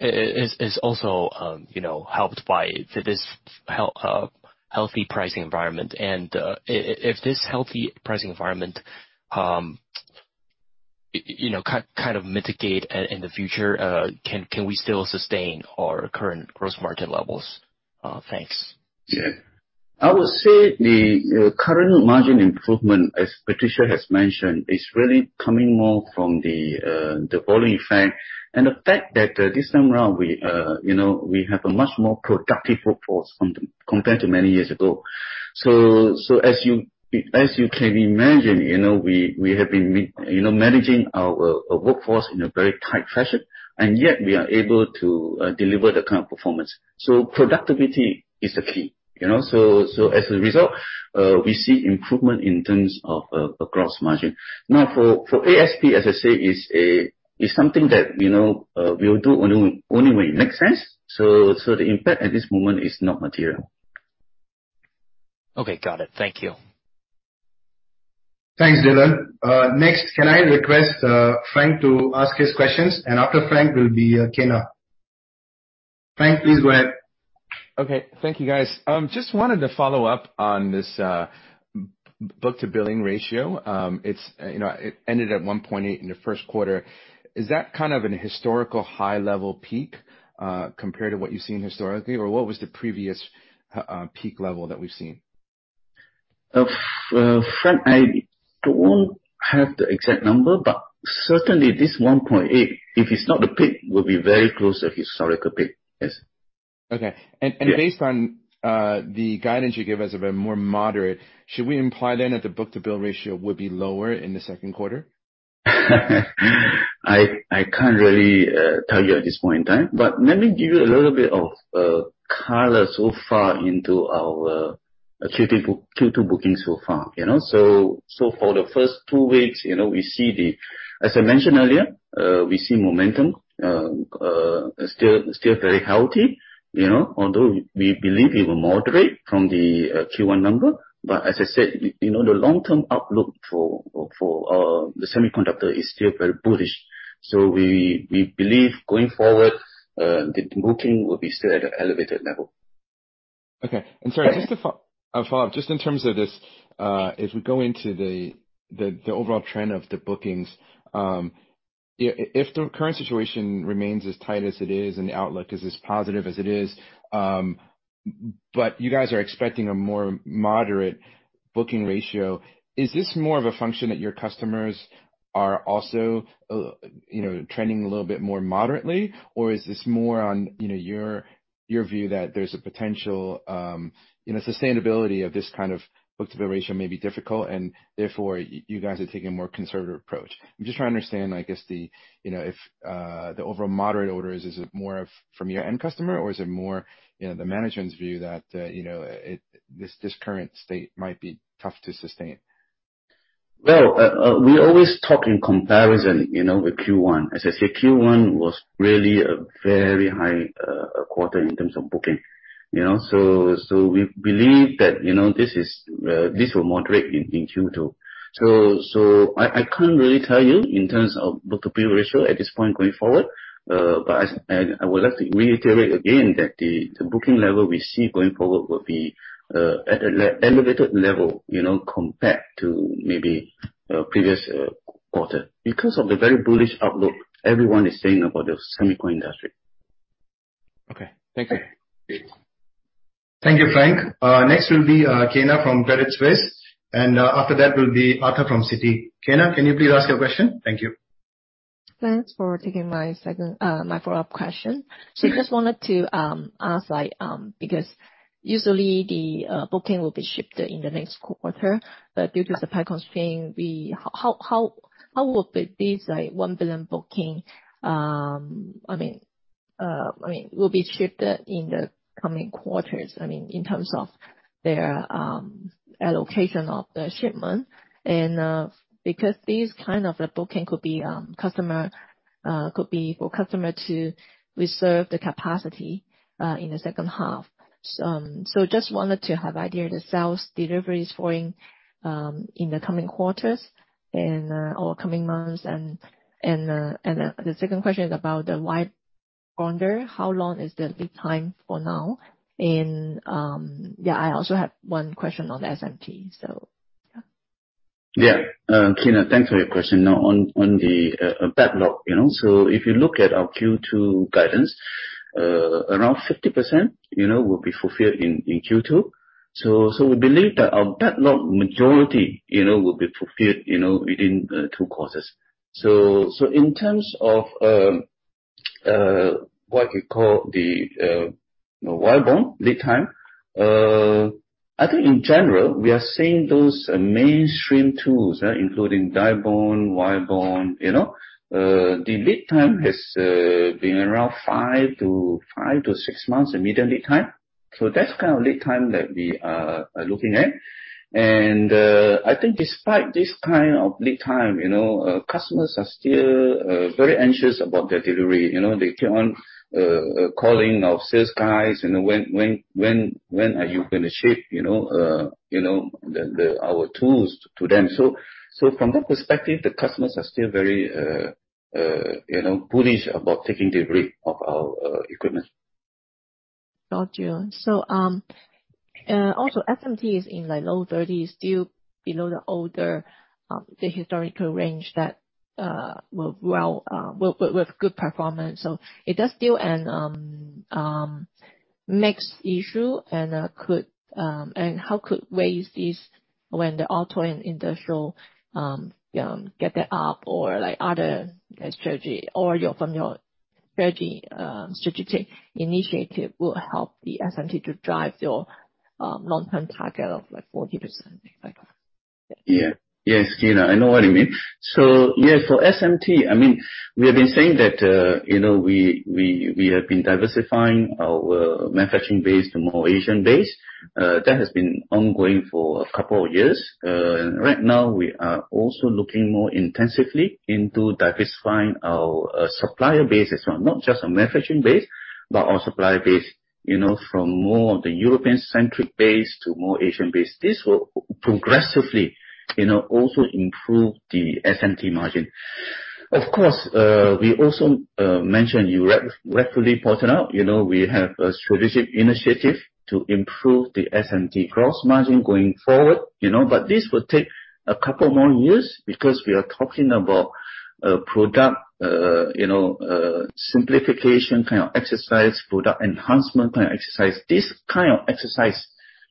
is also helped by this healthy pricing environment. If this healthy pricing environment kind of mitigate in the future, can we still sustain our current gross margin levels? Thanks. I would say the current margin improvement, as Patricia has mentioned, is really coming more from the volume effect and the fact that this time around, we have a much more productive workforce compared to many years ago. As you can imagine, we have been managing our workforce in a very tight fashion, and yet we are able to deliver that kind of performance. Productivity is the key. As a result, we see improvement in terms of gross margin. Now, for ASP, as I said, is something that we'll do only when it makes sense. The impact at this moment is not material. Okay. Got it. Thank you. Thanks, Dylan. Next, can I request Frank to ask his questions? After Frank will be Kyna. Frank, please go ahead. Okay. Thank you, guys. Just wanted to follow up on this book-to-bill ratio. It ended at 1.8 in the first quarter. Is that kind of an historical high-level peak, compared to what you've seen historically, or what was the previous peak level that we've seen? Frank, I don't have the exact number, but certainly this 1.8, if it's not the peak, will be very close to historical peak. Yes. Okay. Yeah. Based on the guidance you gave us of a more moderate, should we imply then that the book-to-bill ratio would be lower in the second quarter? I can't really tell you at this point in time, but let me give you a little bit of color so far into our Q2 booking so far. For the first two weeks, as I mentioned earlier, we see momentum still very healthy. Although we believe it will moderate from the Q1 number. As I said, the long-term outlook for the semiconductor is still very bullish. We believe, going forward, the booking will be still at an elevated level. Okay. Sorry, just to follow up, just in terms of this, as we go into the overall trend of the bookings, if the current situation remains as tight as it is and the outlook is as positive as it is, but you guys are expecting a more moderate booking ratio, is this more of a function that your customers are also trending a little bit more moderately, or is this more on your view that there's a potential sustainability of this kind of book-to-bill ratio may be difficult and therefore you guys are taking a more conservative approach? I'm just trying to understand, I guess, if the overall moderate orders, is it more of from your end customer or is it more the management's view that this current state might be tough to sustain? Well, we always talk in comparison with Q1. As I said, Q1 was really a very high quarter in terms of booking. We believe that this will moderate in Q2. I can't really tell you in terms of book-to-bill ratio at this point going forward, but I would like to reiterate again that the booking level we see going forward will be at an elevated level, compared to maybe previous quarter, because of the very bullish outlook everyone is saying about the semiconductor. Okay. Thank you. Thank you, Frank. Next will be Kyna from Credit Suisse. After that will be Arthur from Citi. Kyna, can you please ask your question? Thank you. Thanks for taking my follow-up question. just wanted to ask, because usually the booking will be shipped in the next quarter, but due to supply constraint, how will these 1 billion booking be shipped in the coming quarters, in terms of their allocation of the shipment, and because these kind of booking could be for customer to reserve the capacity in the second half. just wanted to have idea the sales deliveries for in the coming quarters and, or coming months. The second question is about the wire bonder, how long is the lead time for now. I also have one question on SMT. Yeah. Kyna, thanks for your question. Now, on the backlog. If you look at our Q2 guidance, around 50% will be fulfilled in Q2. We believe that our backlog majority will be fulfilled within two quarters. In terms of, what you call the wire bond lead time, I think in general, we are seeing those mainstream tools, including die bond, wire bond, the lead time has been around five to six months, the median lead time. That's kind of lead time that we are looking at. I think despite this kind of lead time, customers are still very anxious about their delivery. They keep on calling our sales guys, you know, "When are you going to ship our tools to them?" From that perspective, the customers are still very bullish about taking delivery of our equipment. Got you. Also SMT is in the low 30s, still below the older, the historical range that with good performance. It is still a mixed issue and how could we raise this when the auto and industrial get that up or from your strategic initiative will help the SMT to drive your long-term target of 40%, things like that? Yes, Kyna, I know what you mean. For SMT, we have been saying that we have been diversifying our manufacturing base to more Asian base. That has been ongoing for a couple of years. Right now, we are also looking more intensively into diversifying our supplier base as well, not just our manufacturing base, but our supplier base, from more of the European-centric base to more Asian base. This will progressively also improve the SMT margin. Of course, we also mentioned, you rightfully pointed out, we have a strategic initiative to improve the SMT gross margin going forward. This will take a couple more years because we are talking about product simplification kind of exercise, product enhancement kind of exercise. This kind of exercise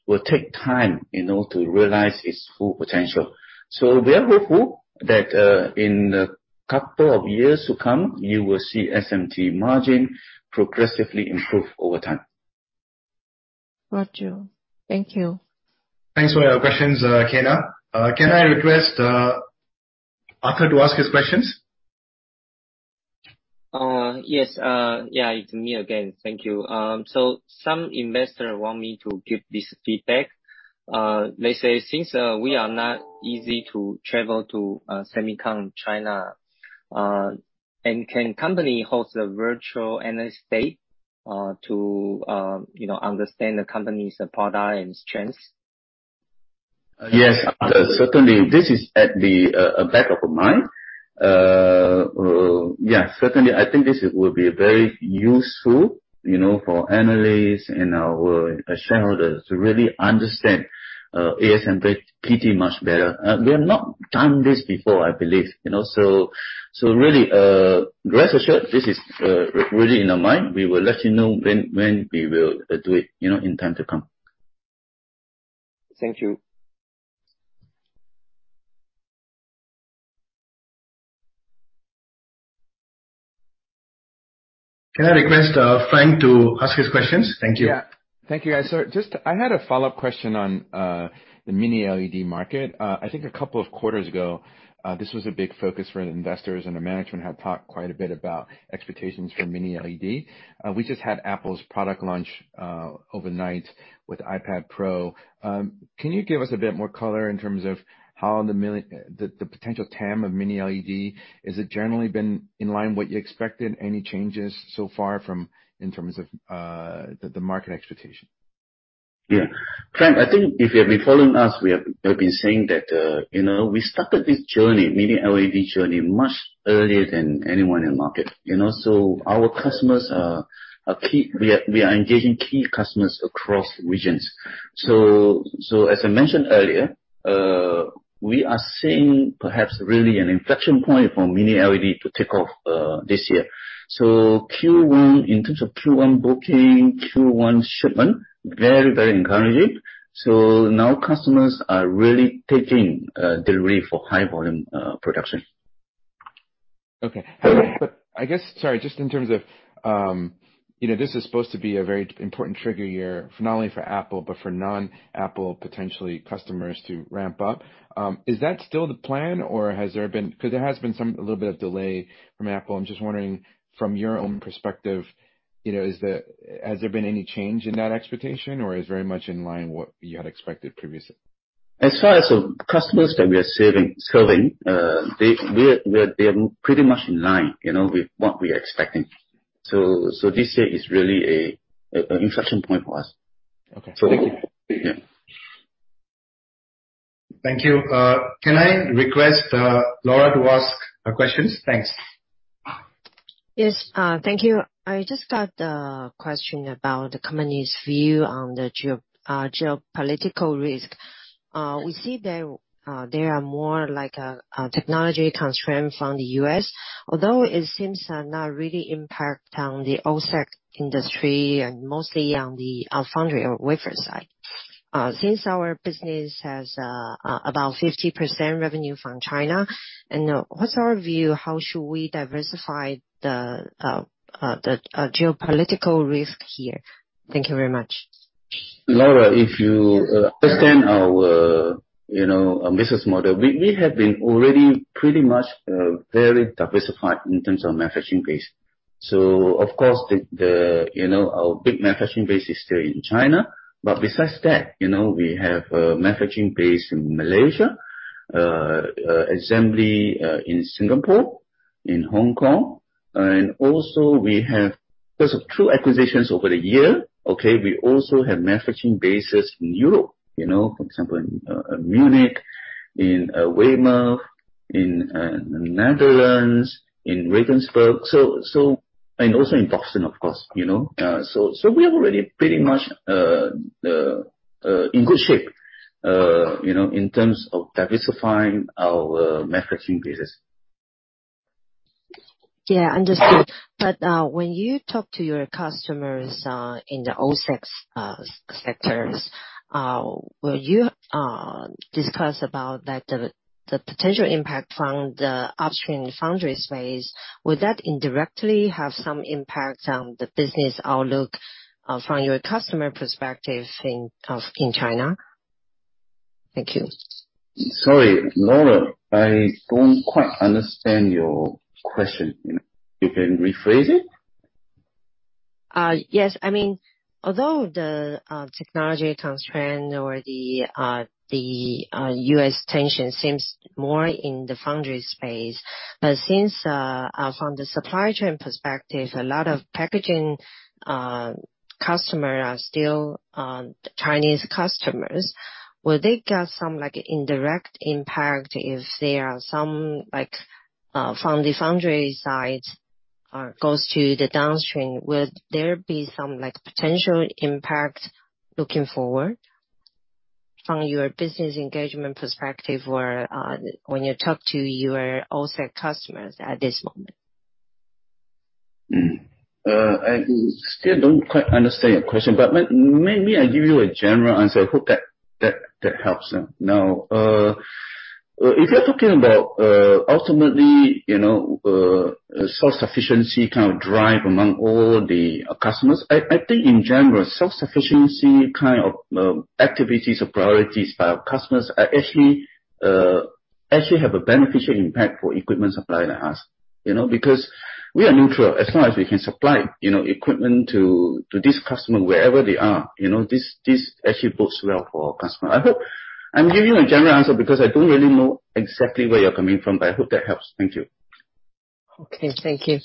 will take time in order to realize its full potential. We are hopeful that, in a couple of years to come, you will see SMT margin progressively improve over time. Got you. Thank you. Thanks for your questions, Kyna. Can I request Arthur to ask his questions? Yes. It's me again. Thank you. Some investors want me to give this feedback. They say since we are not easy to travel to SEMICON China, and can company host a virtual analyst day, to understand the company's product and strengths? Yes, Arthur, certainly. This is at the back of mind. Certainly, I think this will be very useful for analysts and our shareholders to really understand ASMPT much better. We have not done this before, I believe. Really, rest assured, this is really in our mind. We will let you know when we will do it in time to come. Thank you. Can I request, Frank to ask his questions? Thank you. Yeah. Thank you, guys. Just I had a follow-up question on the Mini LED market. I think a couple of quarters ago, this was a big focus for investors, and the management had talked quite a bit about expectations for Mini LED. We just had Apple's product launch overnight with iPad Pro. Can you give us a bit more color in terms of how the potential TAM of Mini LED, has it generally been in line what you expected? Any changes so far from, in terms of the market expectation? Yeah. Frank, I think if you have been following us, we have been saying that we started this journey, Mini LED journey, much earlier than anyone in the market. Our customers are key. We are engaging key customers across regions. As I mentioned earlier, we are seeing perhaps really an inflection point for Mini LED to take off this year. In terms of Q1 booking, Q1 shipment, very, very encouraging. Now customers are really taking delivery for high volume production. Okay. I guess, sorry, just in terms of, this is supposed to be a very important trigger year, not only for Apple but for non-Apple potentially customers to ramp up. Is that still the plan or has there been Because there has been a little bit of delay from Apple. I'm just wondering from your own perspective, has there been any change in that expectation, or is very much in line what you had expected previously? As far as the customers that we are serving, they're pretty much in line, with what we are expecting. This year is really an inflection point for us. Okay. Thank you. Yeah. Thank you. Can I request Laura to ask her questions? Thanks. Yes. Thank you. I just got a question about the company's view on the geopolitical risk. We see that there are more technology constraints from the U.S., although it seems not really impact on the OSAT industry and mostly on the foundry or wafer side. Since our business has about 50% revenue from China, what's our view? How should we diversify the geopolitical risk here? Thank you very much. Laura, if you understand our business model, we have been already pretty much very diversified in terms of manufacturing base. Of course, our big manufacturing base is still in China. Besides that, we have a manufacturing base in Malaysia, assembly in Singapore, in Hong Kong. Also we have, because of two acquisitions over the year, okay, we also have manufacturing bases in Europe, for example, in Munich, in Weymouth, in Netherlands, in Regensburg. Also in Boston, of course. We are already pretty much in good shape, in terms of diversifying our manufacturing bases. Yeah, understood. When you talk to your customers in the OSAT sectors, will you discuss about the potential impact from the upstream foundry space? Would that indirectly have some impact on the business outlook from your customer perspective in China? Thank you. Sorry, Laura. I don't quite understand your question. You can rephrase it? Yes. Although the technology constraint or the U.S. tension seems more in the foundry space. Since, from the supply-chain perspective, a lot of packaging customers are still Chinese customers, will they get some indirect impact if there are some from the foundry side, or goes to the downstream? Would there be some potential impact looking forward from your business engagement perspective or when you talk to your OSAT customers at this moment? I still don't quite understand your question, but maybe I give you a general answer. I hope that helps then. Now, if you're talking about ultimately, self-sufficiency kind of drive among all the customers, I think in general, self-sufficiency kind of activities or priorities by our customers actually have a beneficial impact for equipment supplier like us. Because we are neutral. As long as we can supply equipment to this customer wherever they are, this actually bodes well for our customer. I hope I'm giving you a general answer because I don't really know exactly where you're coming from, but I hope that helps. Thank you. Okay. Thank you.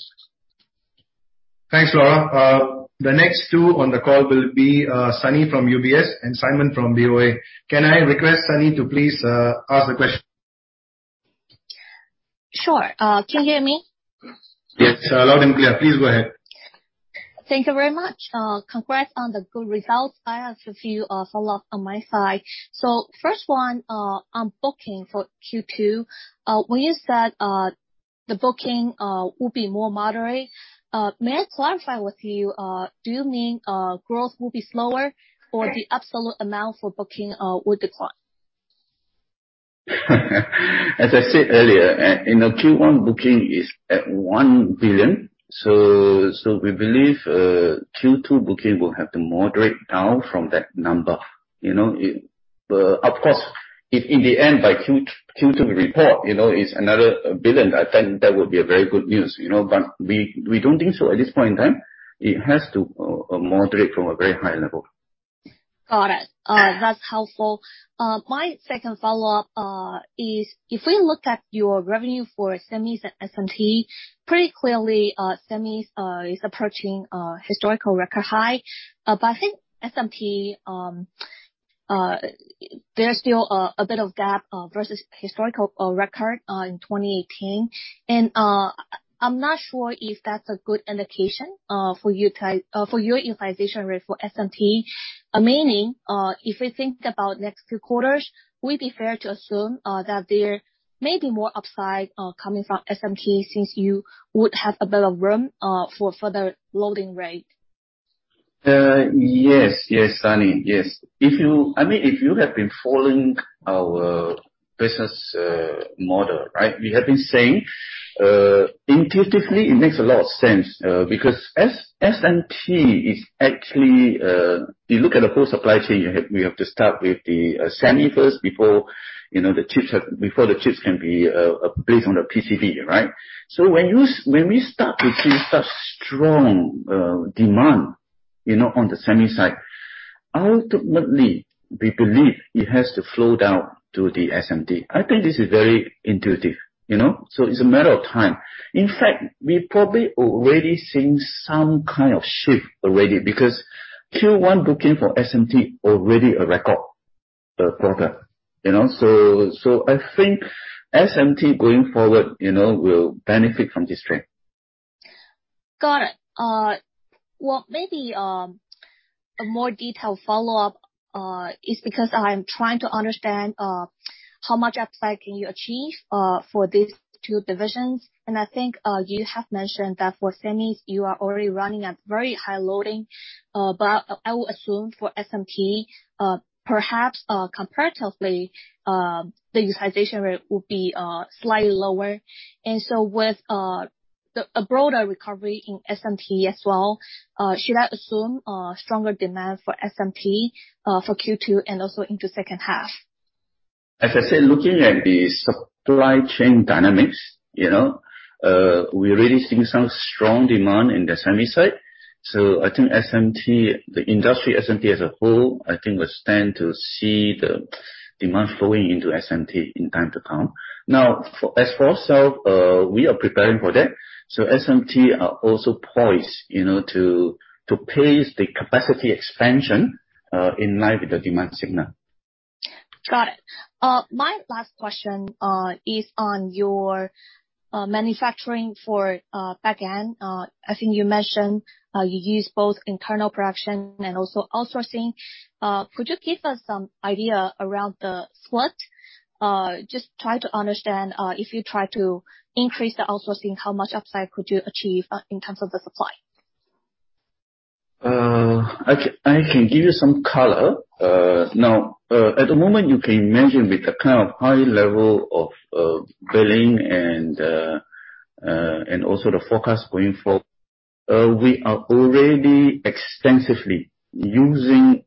Thanks, Laura. The next two on the call will be Sunny from UBS and Simon from BofA. Can I request Sunny to please ask the question? Sure. Can you hear me? Yes. Loud and clear. Please go ahead. Thank you very much. Congrats on the good results. I have a few follow-ups on my side. First one on booking for Q2. When you said the booking will be more moderate, may I clarify with you, do you mean growth will be slower or the absolute amount for booking will decline? As I said earlier, Q1 booking is at $1 billion. We believe Q2 booking will have to moderate down from that number. Of course, if in the end by Q2 report it's another a billion, I think that would be a very good news. We don't think so at this point in time. It has to moderate from a very high level. Got it. That's helpful. My second follow-up is, if we look at your revenue for SEMI and SMT, pretty clearly SEMI is approaching a historical record high. I think SMT, there's still a bit of gap versus historical record in 2018, and I'm not sure if that's a good indication for your utilization rate for SMT. Meaning, if we think about next two quarters, would it be fair to assume that there may be more upside coming from SMT since you would have a bit of room for further loading rate? Yes, Sunny. If you have been following our business model, we have been saying, intuitively, it makes a lot of sense. SMT is actually If you look at the whole supply-chain, we have to start with the SEMI first before the chips can be placed on the PCB, right? When we start to see such strong demand on the SEMI side, ultimately, we believe it has to flow down to the SMT. I think this is very intuitive. It's a matter of time. In fact, we probably already seeing some kind of shift already, because Q1 booking for SMT already a record quarter. I think SMT, going forward, will benefit from this trend. Got it. Well, maybe a more detailed follow-up is because I'm trying to understand how much upside can you achieve for these two divisions, and I think you have mentioned that for SEMI, you are already running at very high loading. I would assume for SMT, perhaps comparatively, the utilization rate would be slightly lower. With a broader recovery in SMT as well, should I assume a stronger demand for SMT for Q2 and also into second half? As I said, looking at the supply-chain dynamics, we're really seeing some strong demand in the SEMI side. I think the industry SMT as a whole will stand to see the demand flowing into SMT in time to come. As for ourselves, we are preparing for that. SMT are also poised to pace the capacity expansion in line with the demand signal. Got it. My last question is on your manufacturing for back-end. I think you mentioned you use both internal production and also outsourcing. Could you give us some idea around the split? Just try to understand if you try to increase the outsourcing, how much upside could you achieve in terms of the supply? I can give you some color. At the moment, you can imagine with the kind of high level of billing and also the forecast going forward, we are already extensively using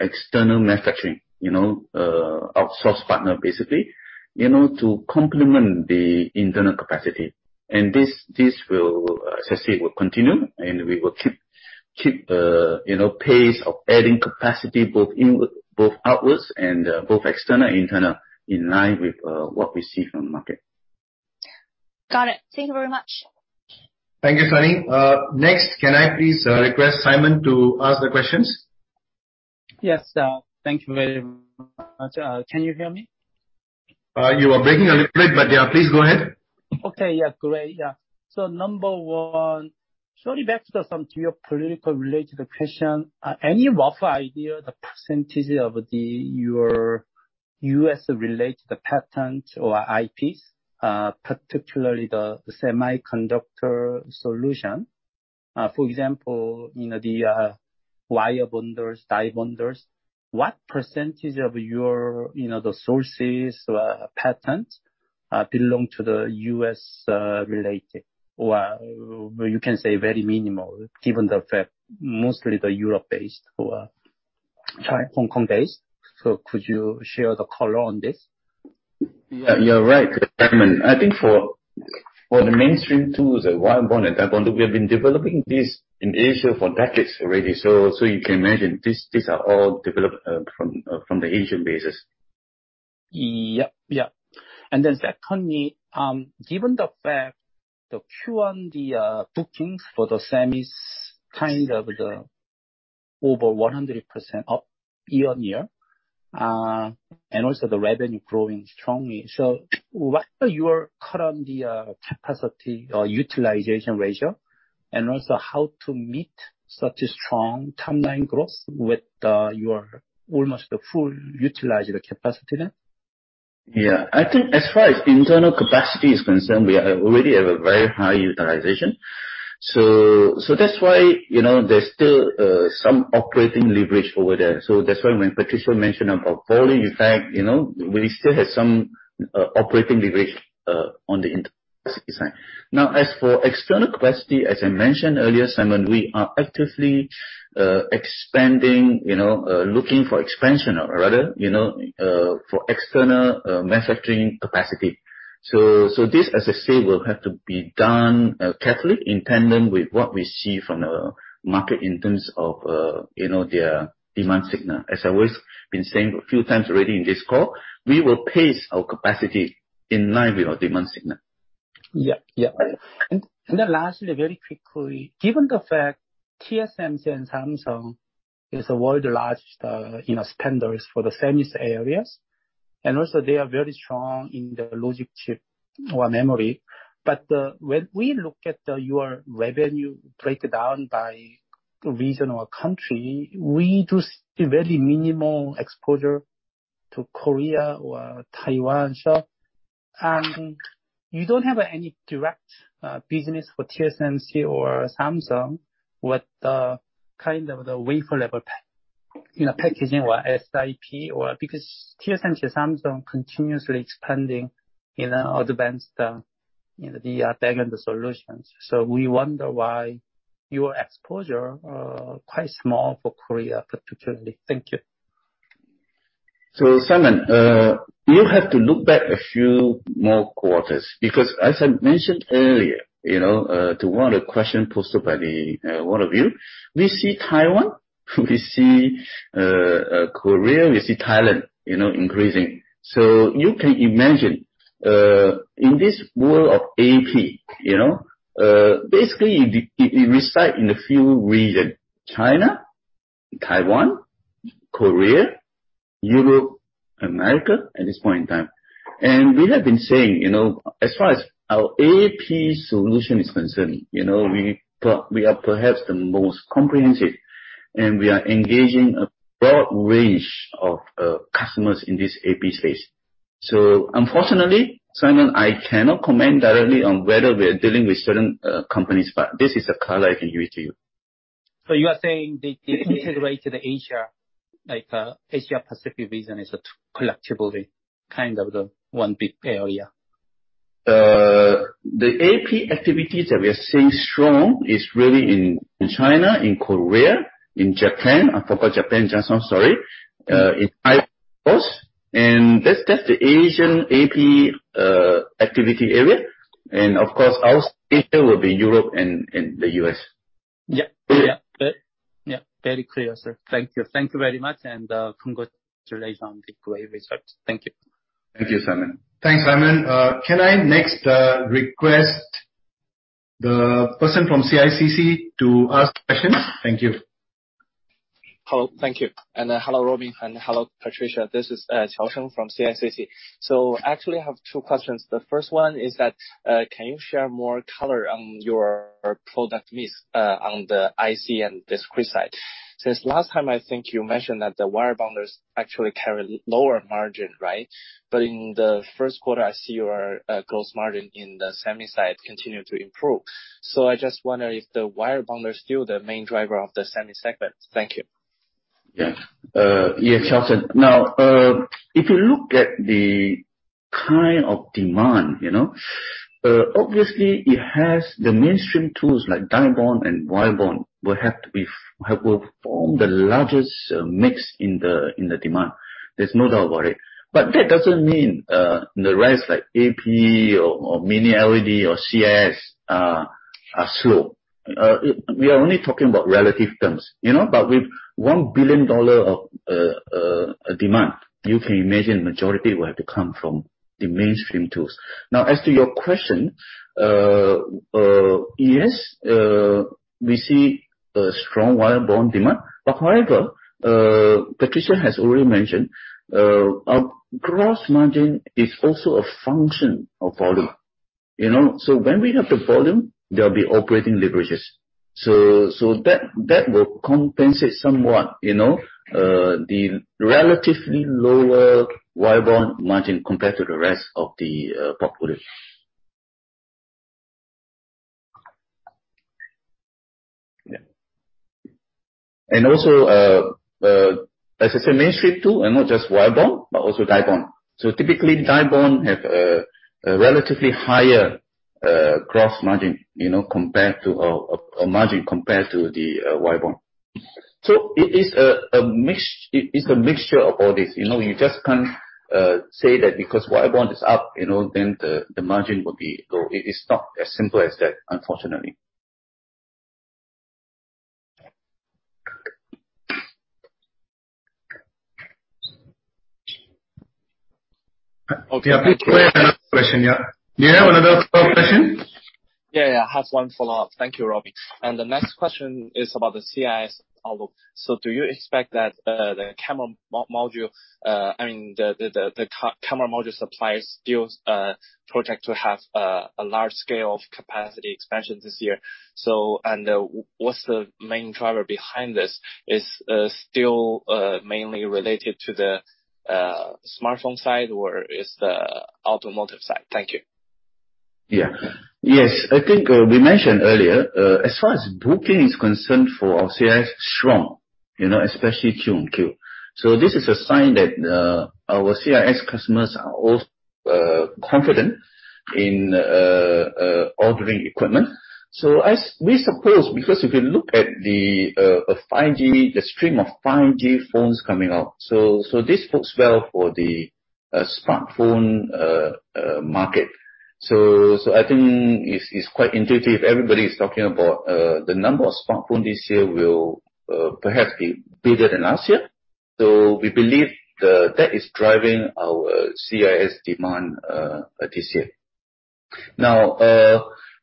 external manufacturing, outsource partner, basically, to complement the internal capacity. This will continue, and we will keep pace of adding capacity both outwards and both external and internal in line with what we see from the market. Got it. Thank you very much. Thank you, Sunny. Next, can I please request Simon to ask the questions? Yes. Thank you very much. Can you hear me? You are breaking a little bit, but yeah, please go ahead. Okay. Yeah. Great. Number one, shortly back to some geopolitical related question. Any rough idea the percentage of your U.S. related patent or IPs, particularly the semiconductor solution, for example, the wire bonders, die bonders, what percentage of your sources or patents belong to the U.S. related? Or you can say very minimal, given the fact mostly they're Europe-based or Hong Kong-based. Could you share the color on this? Yeah, you're right, Simon. I think for the mainstream tools, the wire bonder, die bonder, we have been developing this in Asia for decades already. You can imagine these are all developed from the Asian basis. Yep. Secondly, given the fact the Q1 bookings for the SEMIs, kind of the over 100% year-on-year, and also the revenue growing strongly, what are your current capacity utilization ratio, and also how to meet such a strong timeline growth with your almost the full utilized capacity then? I think as far as internal capacity is concerned, we already have a very high utilization. That's why there's still some operating leverage over there. That's why when Patricia mentioned our portfolio, in fact, we still have some operating leverage on the industry side. Now, as for external capacity, as I mentioned earlier, Simon, we are actively expanding, looking for expansion or rather, for external manufacturing capacity. This, as I said, will have to be done carefully in tandem with what we see from the market in terms of their demand signal. As I always been saying a few times already in this call, we will pace our capacity in line with our demand signal. Yeah. Lastly, very quickly, given the fact TSMC and Samsung is the world largest spenders for the SEMIs areas, They are very strong in the logic chip or memory. When we look at your revenue breakdown by region or country, we do see very minimal exposure to Korea or Taiwan. You don't have any direct business for TSMC or Samsung with the kind of the wafer level, packaging or SiP. Because TSMC, Samsung continuously expanding in advanced, the back-end solutions, we wonder why your exposure quite small for Korea particularly. Thank you. Simon, you have to look back a few more quarters. As I mentioned earlier, to one of the question posted by the one of you, we see Taiwan, we see Korea, we see Thailand increasing. You can imagine, in this world of AP, basically, we reside in a few region, China, Taiwan, Korea, Europe, America, at this point in time. We have been saying, as far as our AP solution is concerned, we are perhaps the most comprehensive, and we are engaging a broad range of customers in this AP space. Unfortunately, Simon, I cannot comment directly on whether we are dealing with certain companies, but this is the color I can give it to you. You are saying the integrated Asia, like Asia Pacific region is a collectively kind of the one big area? The AP activities that we are seeing strong is really in China, in Korea, in Japan. I forgot Japan just now, sorry. In Taiwan also. That's the Asian AP activity area. Of course, outside Asia will be Europe and the U.S. Yeah. Very clear, sir. Thank you. Thank you very much and congratulations on the great result. Thank you. Thank you, Simon. Thanks, Simon. Can I next, request the person from CICC to ask questions? Thank you. Hello. Thank you. Hello, Robin, and hello, Patricia. This is Qiusheng from CICC. Actually, I have two questions. The first one is that, can you share more color on your product mix, on the IC/discrete side? Since last time I think you mentioned that the wire bonders actually carry lower margin, right? In the first quarter, I see your gross margin in the SEMI side continue to improve. I just wonder if the wire bonder is still the main driver of the SEMI segment. Thank you. Yeah, Qiusheng. If you look at the kind of demand, obviously it has the mainstream tools like die bond and wire bond will have to perform the largest mix in the demand. There's no doubt about it. That doesn't mean, the rest like AP or Mini LED or CIS are slow. We are only talking about relative terms. With $1 billion of demand, you can imagine majority will have to come from the mainstream tools. As to your question, yes, we see a strong wire bond demand. However, Patricia has already mentioned, our gross margin is also a function of volume. When we have the volume, there'll be operating leverages. That will compensate somewhat, the relatively lower wire bond margin compared to the rest of the product portfolio. Yeah. Also, as I said, mainstream tool and not just wire bond, but also die bond. Typically die bond have a relatively higher gross margin compared to our margin compared to the wire bond. It is a mixture of all this. You just can't say that because wire bond is up, then the margin will be low. It is not as simple as that, unfortunately. Okay. Yeah. Do you have another question? Yeah. Do you have another follow-up question? Yeah. I have one follow-up. Thank you, Robin. The next question is about the CIS output. Do you expect that the camera module suppliers still project to have a large scale of capacity expansion this year? What's the main driver behind this? Is still mainly related to the smartphone side or is the automotive side? Thank you. Yeah. Yes. I think we mentioned earlier, as far as booking is concerned for our CIS, strong. Especially Q-on-Q. This is a sign that our CIS customers are all confident in ordering equipment. As we suppose, because if you look at the 5G, the stream of 5G phones coming out, so this bodes well for the smartphone market. I think it's quite intuitive. Everybody is talking about the number of smartphone this year will perhaps be bigger than last year. We believe that is driving our CIS demand this year. Now,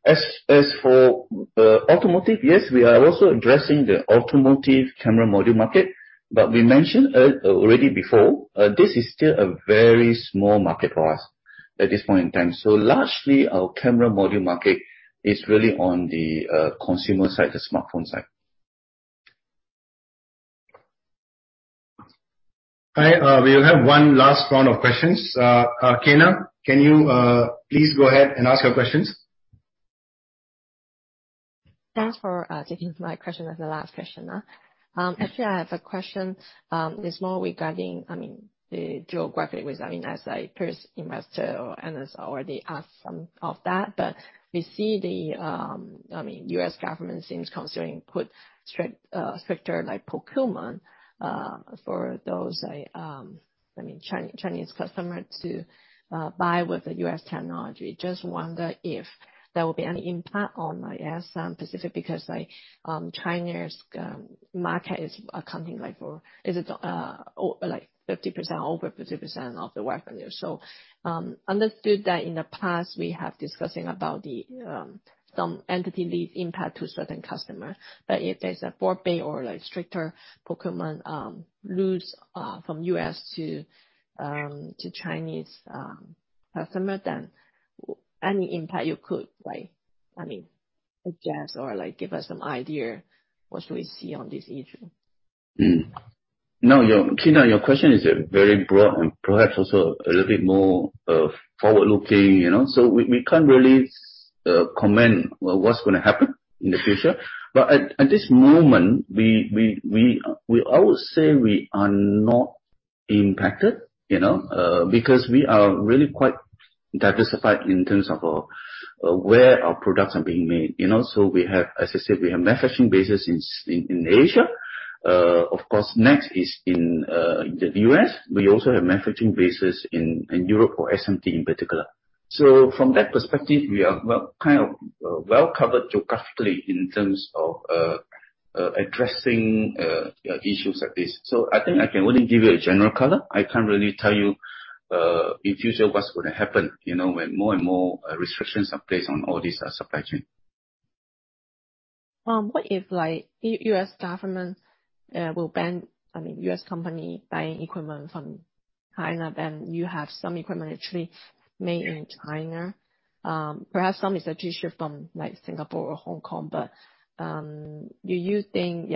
as for automotive, yes, we are also addressing the automotive camera module market, but we mentioned already before, this is still a very small market for us at this point in time. Largely, our camera module market is really on the consumer side, the smartphone side. All right. We will have one last round of questions. Kyna, can you please go ahead and ask your questions? Thanks for taking my question as the last questioner. Actually, I have a question. It's more regarding the geographic risk. As a per se investor, and as already asked some of that, we see the U.S. government seems considering put stricter procurement for those Chinese customer to buy with the U.S. technology. I just wonder if there will be any impact on ASMPT specifically, because China's market is accounting for, is it 50%, over 50% of the revenue. Understood that in the past we have discussing about some Entity List impact to certain customer. If there's a forbade or stricter procurement rules from U.S. to Chinese customer, any impact you could suggest or give us some idea what should we see on this issue? Kyna, your question is a very broad and perhaps also a little bit more forward-looking. We can't really comment what's going to happen in the future. At this moment, I would say we are not impacted because we are really quite diversified in terms of where our products are being made. We have, as I said, we have manufacturing bases in Asia. Of course, next is in the U.S. We also have manufacturing bases in Europe or SMT in particular. From that perspective, we are kind of well-covered geographically in terms of addressing issues like this. I think I can only give you a general color. I can't really tell you in future what's going to happen when more and more restrictions are placed on all these supply-chain. What if the U.S. government will ban U.S. company buying equipment from China, then you have some equipment actually made in China. Perhaps some is from Singapore or Hong Kong. Do you think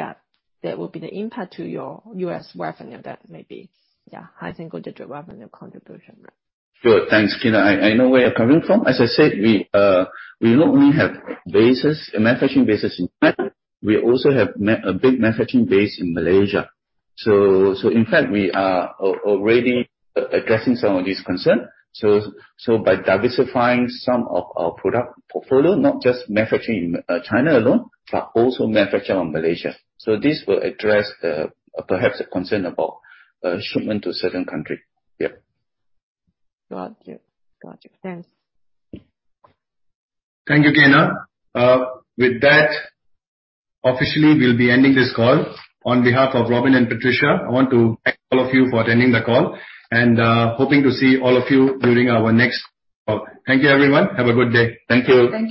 that will be the impact to your U.S. revenue? That may be high single digit revenue contribution. Sure. Thanks, Kyna. I know where you are coming from. As I said, we not only have manufacturing bases in China, we also have a big manufacturing base in Malaysia. In fact, we are already addressing some of these concerns. By diversifying some of our product portfolio, not just manufacturing in China alone, but also manufacture on Malaysia. This will address perhaps a concern about shipment to a certain country. Yeah. Got you. Thanks. Thank you, Kyna. With that, officially we'll be ending this call. On behalf of Robin and Patricia, I want to thank all of you for attending the call, and hoping to see all of you during our next call. Thank you, everyone. Have a good day. Thank you.